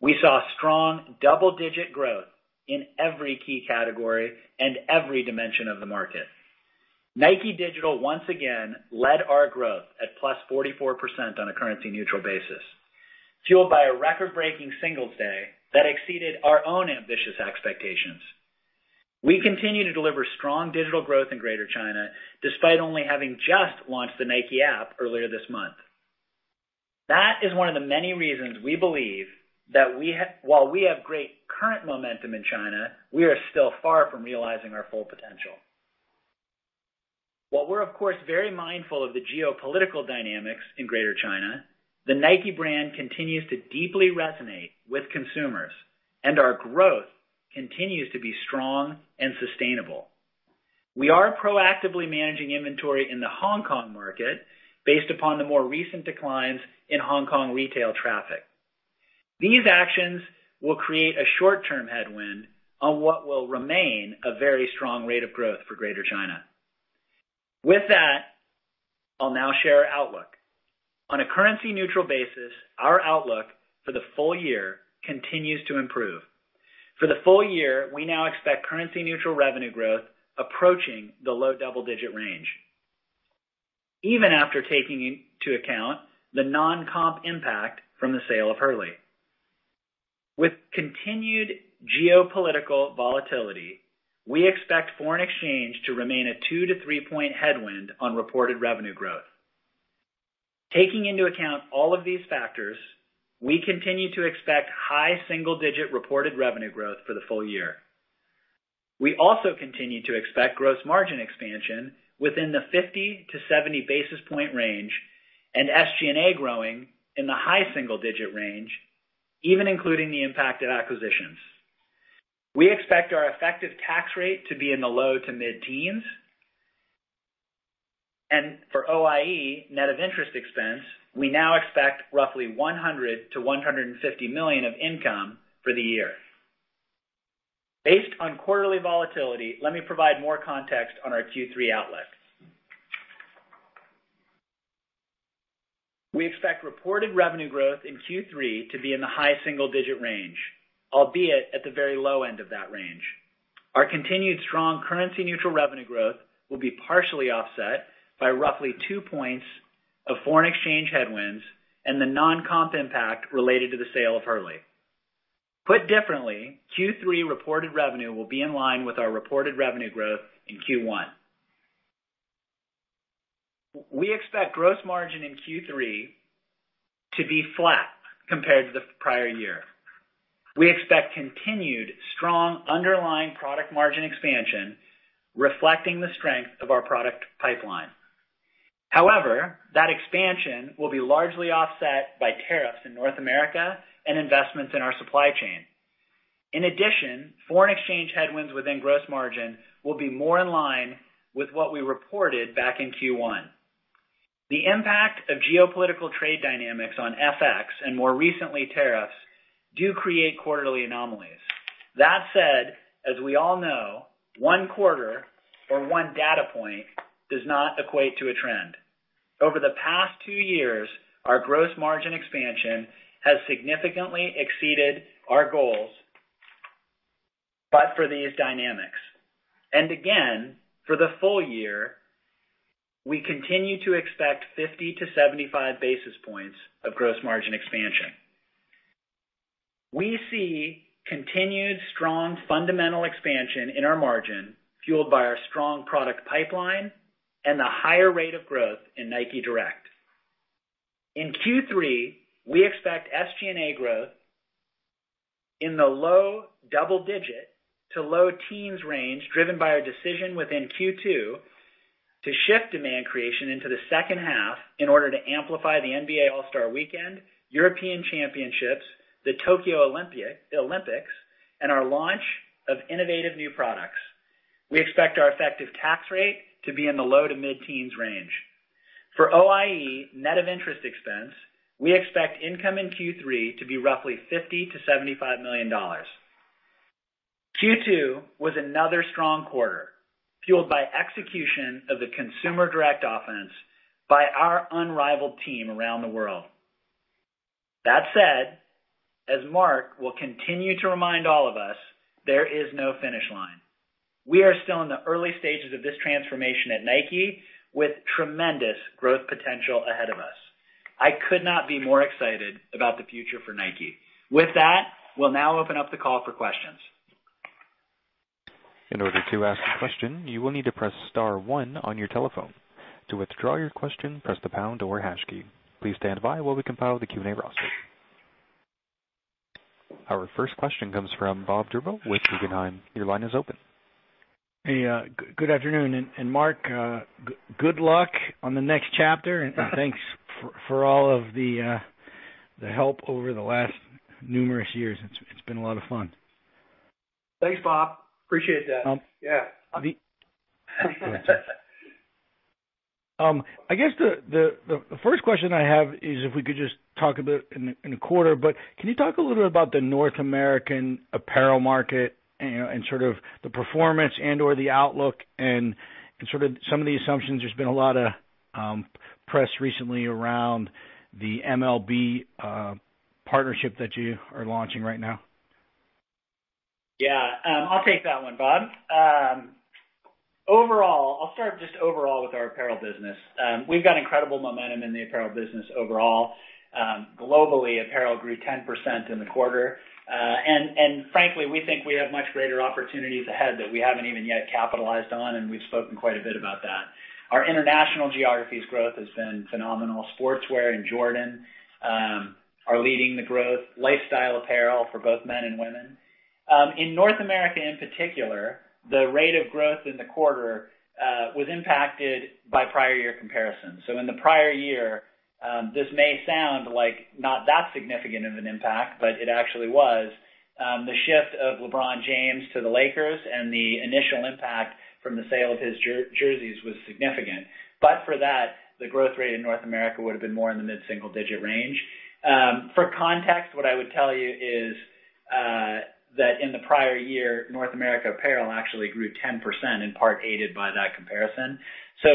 Speaker 4: We saw strong double-digit growth in every key category and every dimension of the market. NIKE Digital, once again, led our growth at plus 44% on a currency neutral basis, fueled by a record-breaking Singles' Day that exceeded our own ambitious expectations. We continue to deliver strong digital growth in Greater China, despite only having just launched the Nike App earlier this month. That is one of the many reasons we believe that while we have great current momentum in China, we are still far from realizing our full potential. While we're of course, very mindful of the geopolitical dynamics in Greater China, the Nike brand continues to deeply resonate with consumers, and our growth continues to be strong and sustainable. We are proactively managing inventory in the Hong Kong market based upon the more recent declines in Hong Kong retail traffic. These actions will create a short-term headwind on what will remain a very strong rate of growth for Greater China. With that, I'll now share our outlook. On a currency neutral basis, our outlook for the full year continues to improve. For the full year, we now expect currency neutral revenue growth approaching the low double-digit range, even after taking into account the non-comp impact from the sale of Hurley. With continued geopolitical volatility, we expect FX to remain a 2-3 point headwind on reported revenue growth. Taking into account all of these factors, we continue to expect high single-digit reported revenue growth for the full year. We also continue to expect gross margin expansion within the 50-70 basis point range and SG&A growing in the high single-digit range, even including the impact of acquisitions. We expect our effective tax rate to be in the low to mid teens. For OIE net of interest expense, we now expect roughly $100 million-$150 million of income for the year. Based on quarterly volatility, let me provide more context on our Q3 outlook. We expect reported revenue growth in Q3 to be in the high single-digit range, albeit at the very low end of that range. Our continued strong currency neutral revenue growth will be partially offset by roughly two points of foreign exchange headwinds and the non-comp impact related to the sale of Hurley. Put differently, Q3 reported revenue will be in line with our reported revenue growth in Q1. We expect gross margin in Q3 to be flat compared to the prior year. We expect continued strong underlying product margin expansion, reflecting the strength of our product pipeline. That expansion will be largely offset by tariffs in North America and investments in our supply chain. Foreign exchange headwinds within gross margin will be more in line with what we reported back in Q1. The impact of geopolitical trade dynamics on FX and more recently tariffs do create quarterly anomalies. As we all know, one quarter or one data point does not equate to a trend. Over the past two years, our gross margin expansion has significantly exceeded our goals. For these dynamics, again, for the full year, we continue to expect 50-75 basis points of gross margin expansion. We see continued strong fundamental expansion in our margin, fueled by our strong product pipeline and the higher rate of growth in Nike Direct. In Q3, we expect SG&A growth in the low double-digit to low-teens range, driven by our decision within Q2 to shift demand creation into the second half in order to amplify the NBA All-Star Weekend, European Championships, the Tokyo Olympics, and our launch of innovative new products. We expect our effective tax rate to be in the low-to-mid-teens range. For OIE, net of interest expense, we expect income in Q3 to be roughly $50 million-$75 million. Q2 was another strong quarter, fueled by execution of the Consumer Direct Offense by our unrivaled team around the world. That said, as Mark will continue to remind all of us, there is no finish line. We are still in the early stages of this transformation at Nike with tremendous growth potential ahead of us. I could not be more excited about the future for Nike. With that, we'll now open up the call for questions.
Speaker 1: In order to ask a question, you will need to press star one on your telephone. To withdraw your question, press the pound or hash key. Please stand by while we compile the Q&A roster. Our first question comes from Bob Drbul with Guggenheim. Your line is open.
Speaker 5: Good afternoon. Mark, good luck on the next chapter. Thanks for all of the help over the last numerous years. It's been a lot of fun.
Speaker 3: Thanks, Bob. Appreciate that.
Speaker 5: I guess the first question I have is if we could just talk a bit in the quarter, but can you talk a little bit about the North American apparel market and sort of the performance and/or the outlook and sort of some of the assumptions. There has been a lot of press recently around the MLB partnership that you are launching right now.
Speaker 4: Yeah. I'll take that one, Bob. I'll start just overall with our apparel business. We've got incredible momentum in the apparel business overall. Globally, apparel grew 10% in the quarter. Frankly, we think we have much greater opportunities ahead that we haven't even yet capitalized on, and we've spoken quite a bit about that. Our international geographies growth has been phenomenal. Sportswear and Jordan are leading the growth, lifestyle apparel for both men and women. In North America, in particular, the rate of growth in the quarter was impacted by prior year comparisons. In the prior year, this may sound like not that significant of an impact, but it actually was. The shift of LeBron James to the Lakers and the initial impact from the sale of his jerseys was significant. For that, the growth rate in North America would've been more in the mid-single digit range. For context, what I would tell you is that in the prior year, North America apparel actually grew 10%, in part aided by that comparison.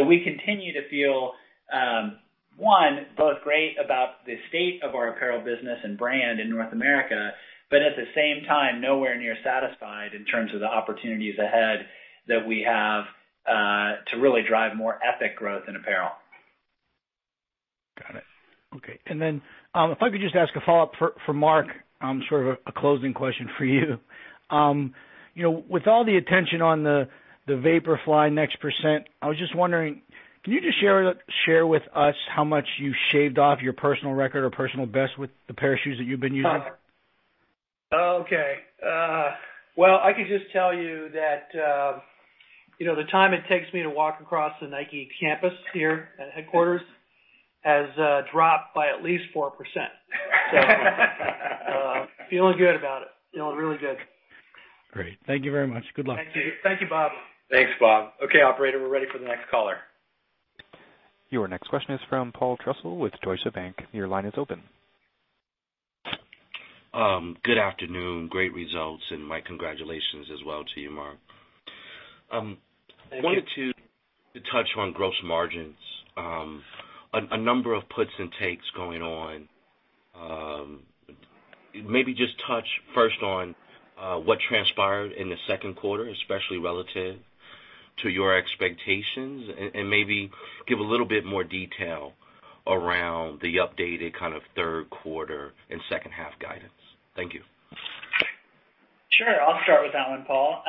Speaker 4: We continue to feel, one, both great about the state of our apparel business and brand in North America, but at the same time, nowhere near satisfied in terms of the opportunities ahead that we have to really drive more epic growth in apparel.
Speaker 5: Got it. Okay. If I could just ask a follow-up for Mark, sort of a closing question for you. With all the attention on the Vaporfly NEXT%, I was just wondering, can you just share with us how much you shaved off your personal record or personal best with the pair of shoes that you've been using?
Speaker 3: Okay. Well, I can just tell you that the time it takes me to walk across the Nike campus here at headquarters has dropped by at least 4%. Feeling good about it. Feeling really good.
Speaker 5: Great. Thank you very much. Good luck.
Speaker 3: Thank you, Bob.
Speaker 2: Thanks, Bob. Okay, operator, we're ready for the next caller.
Speaker 1: Your next question is from Paul Trussell with Deutsche Bank. Your line is open.
Speaker 6: Good afternoon. Great results, and my congratulations as well to you, Mark. Wanted to touch on gross margins. A number of puts and takes going on. Maybe just touch first on what transpired in the second quarter, especially relative to your expectations, and maybe give a little bit more detail around the updated kind of third quarter and second half guidance. Thank you.
Speaker 4: Sure. I'll start with that one, Paul.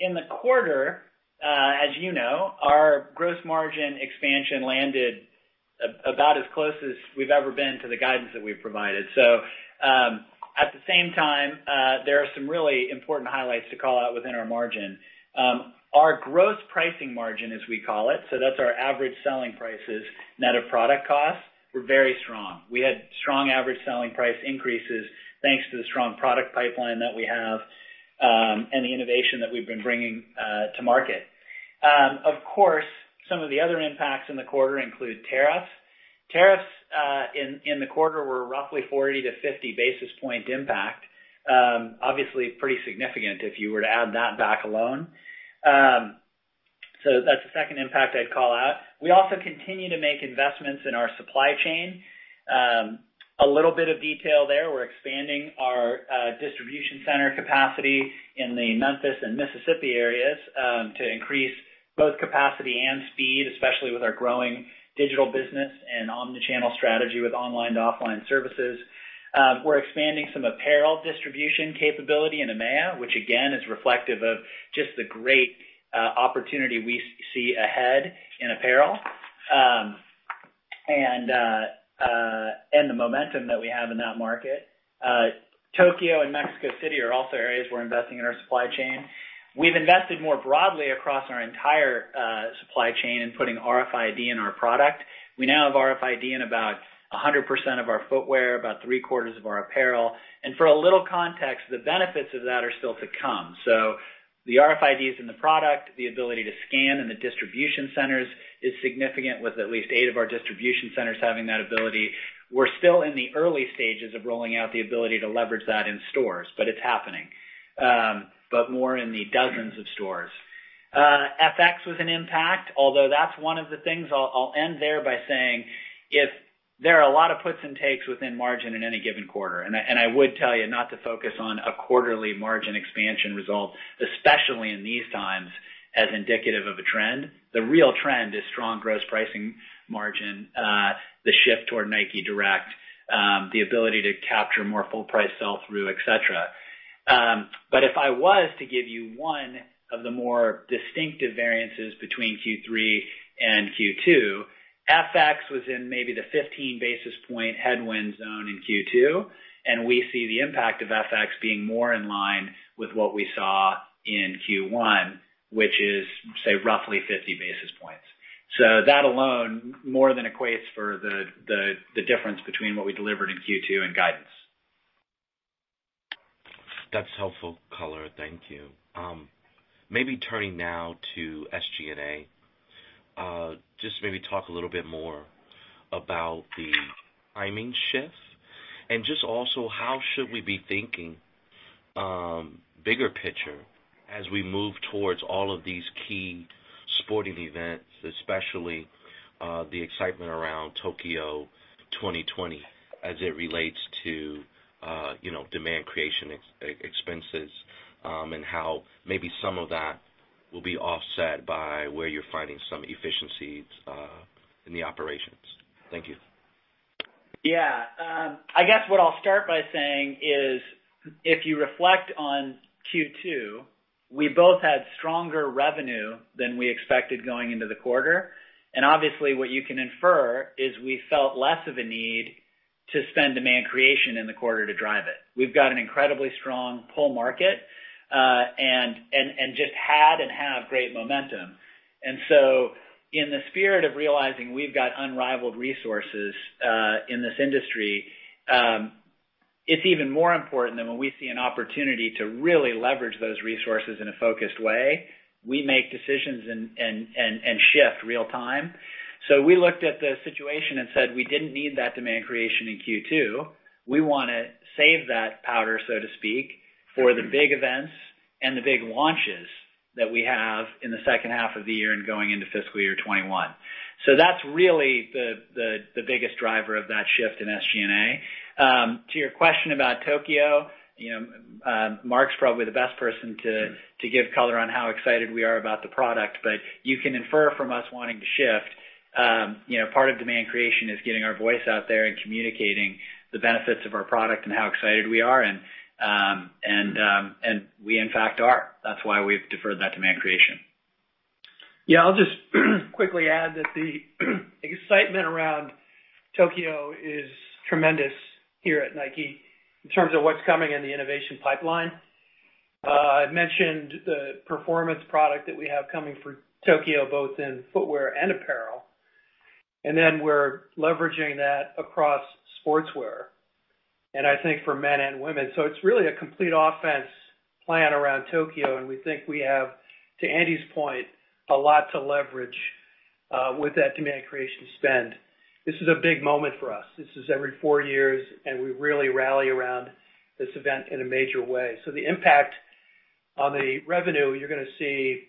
Speaker 4: In the quarter, as you know, our gross margin expansion landed about as close as we've ever been to the guidance that we've provided. At the same time, there are some really important highlights to call out within our margin. Our gross pricing margin, as we call it, so that's our average selling prices net of product costs, were very strong. We had strong average selling price increases, thanks to the strong product pipeline that we have, and the innovation that we've been bringing to market. Of course, some of the other impacts in the quarter include tariffs. Tariffs, in the quarter, were roughly 40-50 basis point impact. Obviously, pretty significant if you were to add that back alone. That's the second impact I'd call out. We also continue to make investments in our supply chain. A little bit of detail there, we're expanding our distribution center capacity in the Memphis and Mississippi areas to increase both capacity and speed, especially with our growing digital business and omni-channel strategy with online to offline services. We're expanding some apparel distribution capability in EMEA, which again, is reflective of just the great opportunity we see ahead in apparel, and the momentum that we have in that market. Tokyo and Mexico City are also areas we're investing in our supply chain. We've invested more broadly across our entire supply chain in putting RFID in our product. We now have RFID in about 100% of our footwear, about three-quarters of our apparel. For a little context, the benefits of that are still to come. The RFIDs in the product, the ability to scan in the distribution centers is significant, with at least eight of our distribution centers having that ability. We're still in the early stages of rolling out the ability to leverage that in stores, but it's happening. More in the dozens of stores. FX was an impact, although that's one of the things I'll end there by saying, if there are a lot of puts and takes within margin in any given quarter, and I would tell you not to focus on a quarterly margin expansion result, especially in these times, as indicative of a trend. The real trend is strong gross pricing margin, the shift toward NIKE Direct, the ability to capture more full price sell-through, etc. If I was to give you one of the more distinctive variances between Q3 and Q2, FX was in maybe the 15 basis point headwind zone in Q2. We see the impact of FX being more in line with what we saw in Q1, which is, say roughly 50 basis points. That alone more than equates for the difference between what we delivered in Q2 and guidance.
Speaker 6: That's helpful color. Thank you. Maybe turning now to SG&A. Just maybe talk a little bit more about the timing shift and just also how should we be thinking, bigger picture, as we move towards all of these key sporting events, especially, the excitement around Tokyo 2020 as it relates to demand creation expenses, and how maybe some of that will be offset by where you're finding some efficiencies in the operations. Thank you.
Speaker 4: Yeah. I guess what I'll start by saying is, if you reflect on Q2, we both had stronger revenue than we expected going into the quarter. Obviously what you can infer is we felt less of a need to spend demand creation in the quarter to drive it. We've got an incredibly strong pull market, and just had and have great momentum. In the spirit of realizing we've got unrivaled resources, in this industry, it's even more important that when we see an opportunity to really leverage those resources in a focused way. We make decisions and shift real time. We looked at the situation and said we didn't need that demand creation in Q2. We want to save that powder, so to speak, for the big events and the big launches that we have in the second half of the year and going into fiscal year 2021. That's really the biggest driver of that shift in SG&A. To your question about Tokyo, Mark's probably the best person to give color on how excited we are about the product, but you can infer from us wanting to shift. Part of demand creation is getting our voice out there and communicating the benefits of our product and how excited we are. We in fact are. That's why we've deferred that demand creation.
Speaker 3: Yeah, I'll just quickly add that the excitement around Tokyo is tremendous here at Nike in terms of what's coming in the innovation pipeline. I mentioned the performance product that we have coming for Tokyo, both in footwear and apparel, and then we're leveraging that across Sportswear. I think for men and women. It's really a complete offense plan around Tokyo, and we think we have, to Andy's point, a lot to leverage with that demand creation spend. This is a big moment for us. This is every four years, and we really rally around this event in a major way. The impact on the revenue, you're going to see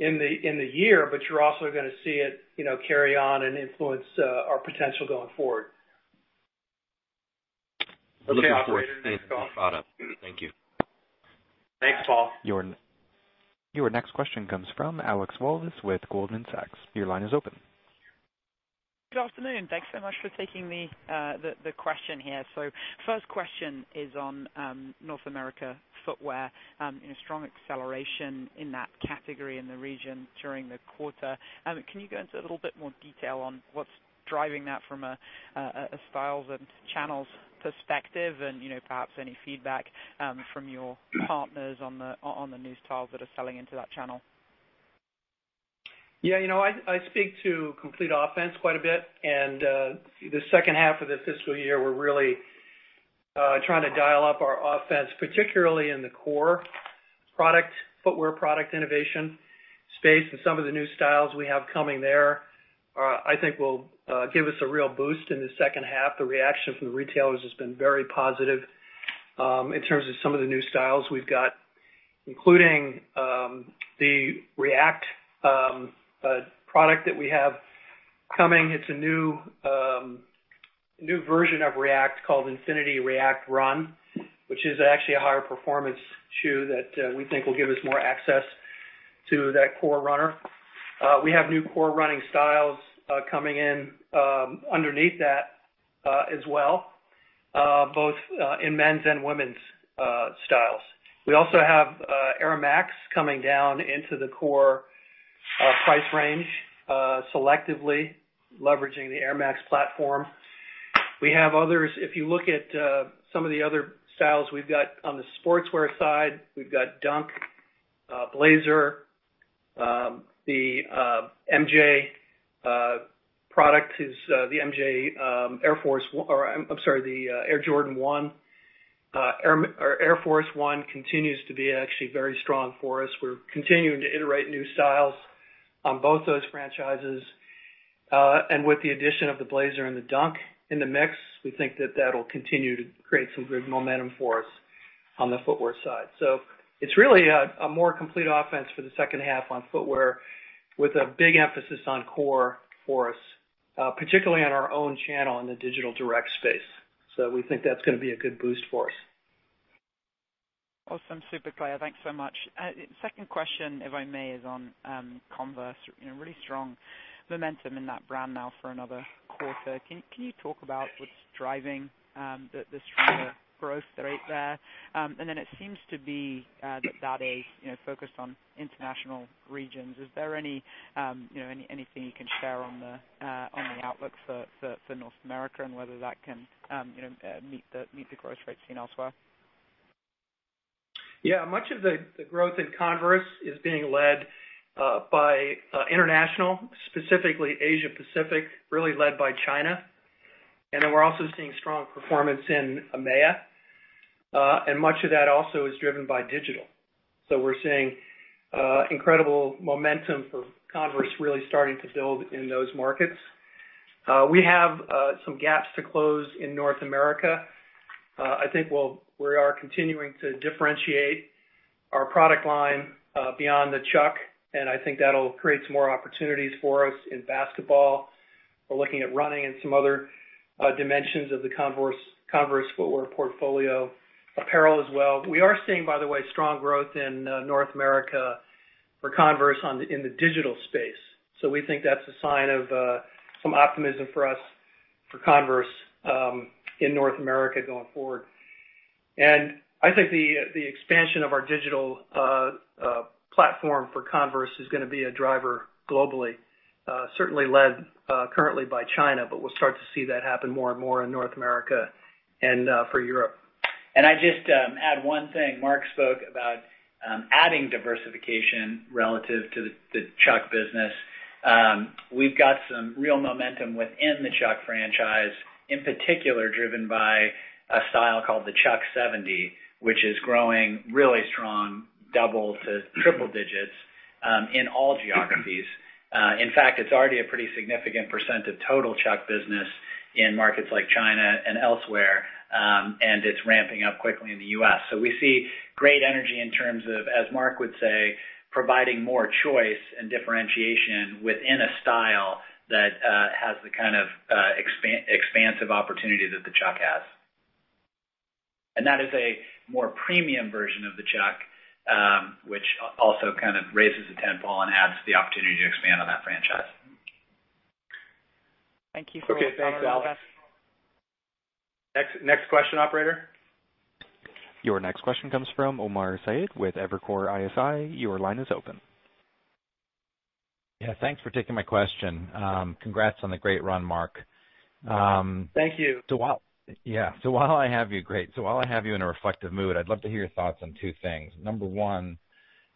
Speaker 3: in the year, but you're also going to see it carry on and influence our potential going forward.
Speaker 6: Looking forward to it, and thanks for the thought. Thank you.
Speaker 4: Thanks, Paul.
Speaker 1: Your next question comes from Alex Walvis with Goldman Sachs. Your line is open.
Speaker 7: Good afternoon. Thanks so much for taking the question here. First question is on North America footwear. A strong acceleration in that category in the region during the quarter. Can you go into a little bit more detail on what's driving that from a styles and channels perspective and perhaps any feedback from your partners on the new styles that are selling into that channel?
Speaker 3: Yeah. I speak to Consumer Direct Offense quite a bit. The second half of this fiscal year, we're really trying to dial up our offense, particularly in the core product, footwear product innovation space, and some of the new styles we have coming there, I think will give us a real boost in the second half. The reaction from the retailers has been very positive. In terms of some of the new styles we've got, including the React product that we have coming. It's a new version of React called React Infinity Run, which is actually a higher performance shoe that we think will give us more access to that core runner. We have new core running styles coming in underneath that as well, both in men's and women's styles. We also have Air Max coming down into the core price range, selectively leveraging the Air Max platform. We have others. If you look at some of the other styles we've got on the Sportswear side. We've got Dunk, Blazer, the Jordan product is the Air Jordan 1. Air Force 1 continues to be actually very strong for us. We're continuing to iterate new styles on both those franchises. And with the addition of the Blazer and the Dunk in the mix, we think that that'll continue to create some good momentum for us on the footwear side. So it's really a more complete offense for the second half on footwear, with a big emphasis on core for us, particularly on our own channel in the digital direct space. So we think that's going to be a good boost for us.
Speaker 7: Awesome. Super clear. Thanks so much. Second question, if I may, is on Converse. Really strong momentum in that brand now for another quarter. Can you talk about what's driving the stronger growth rate there? Then it seems to be that that is focused on international regions. Is there anything you can share on the outlook for North America and whether that can meet the growth rates seen elsewhere?
Speaker 3: Yeah. Much of the growth in Converse is being led by international, specifically Asia-Pacific, really led by China. We're also seeing strong performance in EMEA. Much of that also is driven by digital. We're seeing incredible momentum for Converse really starting to build in those markets. We have some gaps to close in North America. I think we are continuing to differentiate our product line beyond the Chuck, and I think that'll create some more opportunities for us in basketball. We're looking at running and some other dimensions of the Converse footwear portfolio. Apparel as well. We are seeing, by the way, strong growth in North America for Converse in the digital space. We think that's a sign of some optimism for us for Converse in North America going forward. I think the expansion of our digital platform for Converse is going to be a driver globally. Certainly led currently by China, we'll start to see that happen more and more in North America and for Europe.
Speaker 4: I'd just add one thing. Mark spoke about adding diversification relative to the Chuck business. We've got some real momentum within the Chuck franchise, in particular, driven by a style called the Chuck 70, which is growing really strong, double to triple digits, in all geographies. In fact, it's already a pretty significant percent of total Chuck business in markets like China and elsewhere. It's ramping up quickly in the U.S. We see great energy in terms of, as Mark would say, providing more choice and differentiation within a style that has the kind of expansive opportunity that the Chuck has. That is a more premium version of the Chuck, which also kind of raises the tent pole and adds the opportunity to expand on that franchise.
Speaker 7: Thank you for all of that.
Speaker 3: Okay, thanks, Alex. Next question, operator.
Speaker 1: Your next question comes from Omar Saad with Evercore ISI. Your line is open.
Speaker 8: Thanks for taking my question. Congrats on the great run, Mark.
Speaker 3: Thank you.
Speaker 8: Yeah. Great. While I have you in a reflective mood, I'd love to hear your thoughts on two things. Number one,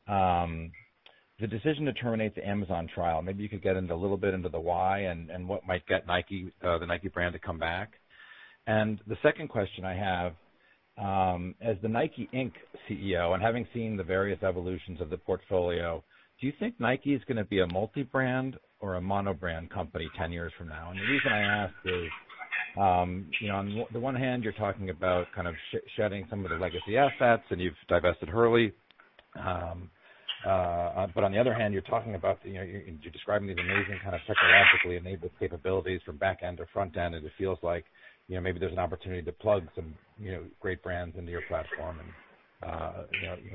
Speaker 8: the decision to terminate the Amazon trial. Maybe you could get a little bit into the why and what might get the Nike brand to come back. The second question I have, as the NIKE, Inc. CEO and having seen the various evolutions of the portfolio, do you think Nike is going to be a multi-brand or a mono-brand company 10 years from now? The reason I ask is, on the one hand, you're talking about kind of shedding some of the legacy assets, and you've divested Hurley. On the other hand, you're describing these amazing kind of technologically enabled capabilities from back end to front end, and it feels like maybe there's an opportunity to plug some great brands into your platform and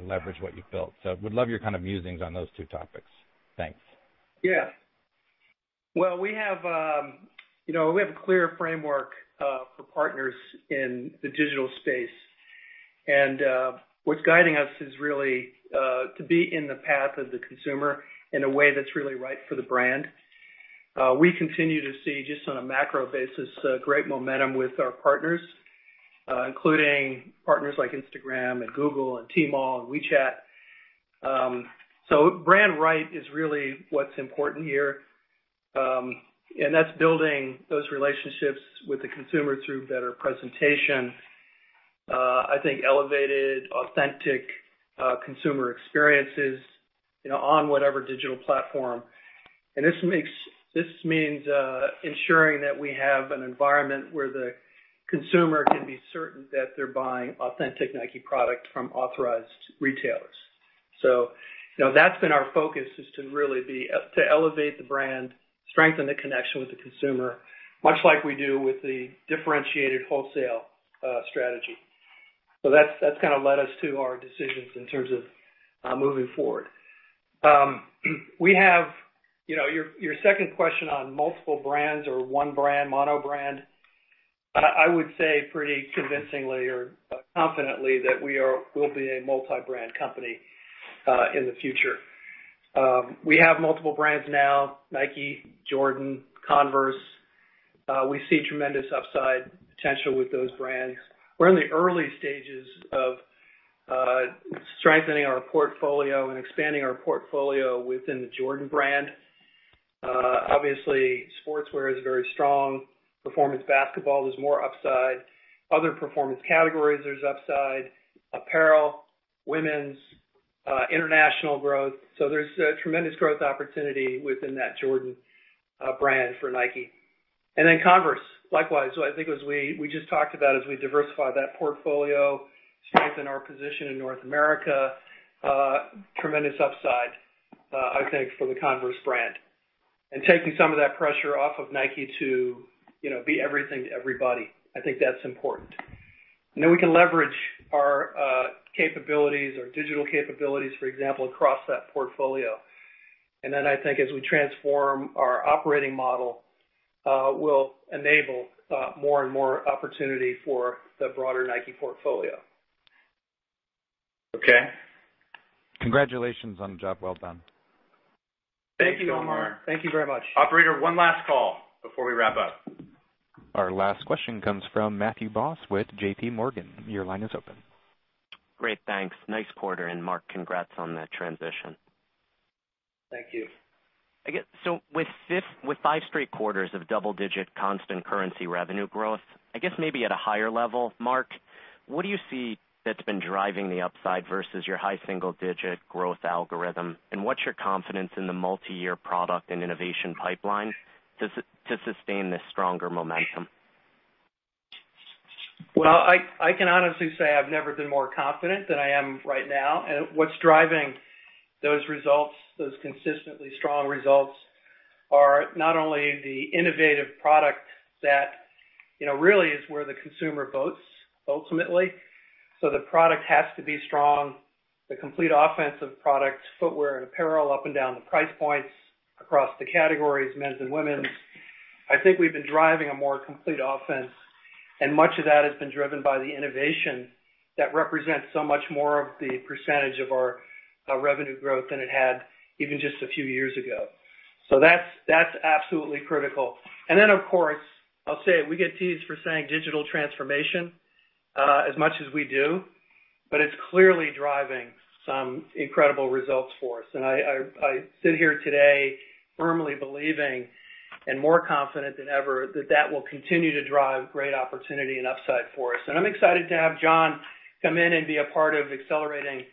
Speaker 8: leverage what you've built. Would love your kind of musings on those two topics. Thanks.
Speaker 3: Well, we have a clear framework for partners in the digital space. What's guiding us is really to be in the path of the consumer in a way that's really right for the brand. We continue to see, just on a macro basis, great momentum with our partners, including partners like Instagram and Google and Tmall and WeChat. Brand right is really what's important here. That's building those relationships with the consumer through better presentation. I think elevating authentic consumer experiences on whatever digital platform. This means ensuring that we have an environment where the consumer can be certain that they're buying authentic Nike product from authorized retailers. That's been our focus, is to really elevate the brand, strengthen the connection with the consumer, much like we do with the differentiated wholesale strategy. That's led us to our decisions in terms of moving forward. Your second question on multiple brands or one brand, mono brand, I would say pretty convincingly or confidently that we will be a multi-brand company in the future. We have multiple brands now, Nike, Jordan, Converse. We see tremendous upside potential with those brands. We're in the early stages of strengthening our portfolio and expanding our portfolio within the Jordan brand. Obviously, Sportswear is very strong. Performance basketball, there's more upside. Other performance categories, there's upside. Apparel, women's, international growth. There's tremendous growth opportunity within that Jordan brand for Nike. Converse, likewise. I think as we just talked about, as we diversify that portfolio, strengthen our position in North America, tremendous upside, I think, for the Converse brand. Taking some of that pressure off of Nike to be everything to everybody. I think that's important. We can leverage our capabilities, our digital capabilities, for example, across that portfolio. I think as we transform our operating model, we'll enable more and more opportunity for the broader Nike portfolio. Okay.
Speaker 8: Congratulations on a job well done.
Speaker 3: Thank you, Omar. Thank you very much.
Speaker 2: Operator, one last call before we wrap up.
Speaker 1: Our last question comes from Matthew Boss with JPMorgan. Your line is open.
Speaker 9: Great, thanks. Nice quarter. Mark, congrats on the transition.
Speaker 3: Thank you.
Speaker 9: With five straight quarters of double-digit constant currency revenue growth, I guess maybe at a higher level, Mark, what do you see that's been driving the upside versus your high single-digit growth algorithm? What's your confidence in the multi-year product and innovation pipeline to sustain this stronger momentum?
Speaker 3: Well, I can honestly say I've never been more confident than I am right now. What's driving those results, those consistently strong results, are not only the innovative product that really is where the consumer votes ultimately. The product has to be strong, the complete offense of products, footwear and apparel, up and down the price points across the categories, men's and women's. I think we've been driving a more complete offense, and much of that has been driven by the innovation that represents so much more of the percentage of our revenue growth than it had even just a few years ago. That's absolutely critical. Of course, I'll say it, we get teased for saying digital transformation as much as we do, but it's clearly driving some incredible results for us. I sit here today firmly believing and more confident than ever that that will continue to drive great opportunity and upside for us. I'm excited to have John come in and be a part of accelerating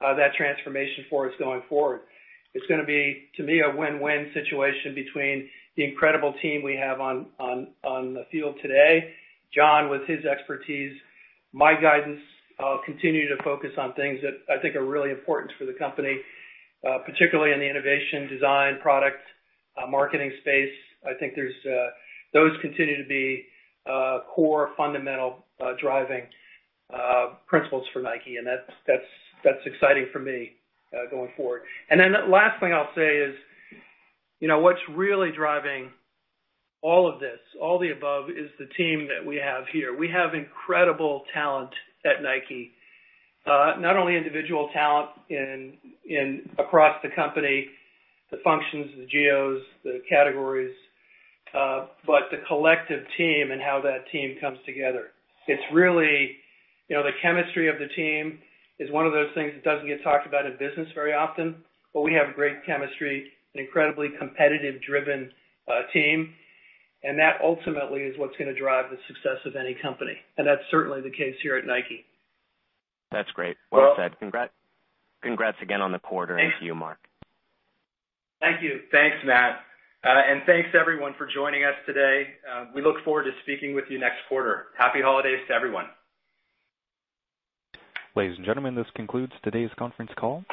Speaker 3: that transformation for us going forward. It's going to be, to me, a win-win situation between the incredible team we have on the field today. John, with his expertise, my guidance, continuing to focus on things that I think are really important for the company, particularly in the innovation, design, product, marketing space. I think those continue to be core fundamental driving principles for Nike, and that's exciting for me going forward. The last thing I'll say is, what's really driving all of this, all the above, is the team that we have here. We have incredible talent at Nike. Not only individual talent across the company, the functions, the geos, the categories, but the collective team and how that team comes together. The chemistry of the team is one of those things that doesn't get talked about in business very often, but we have great chemistry, an incredibly competitive, driven team, and that ultimately is what's going to drive the success of any company. That's certainly the case here at Nike.
Speaker 9: That's great. Well said. Congrats again on the quarter and to you, Mark.
Speaker 3: Thank you.
Speaker 2: Thank you. Thanks, Matt. Thanks everyone for joining us today. We look forward to speaking with you next quarter. Happy holidays to everyone.
Speaker 1: Ladies and gentlemen, this concludes today's conference call.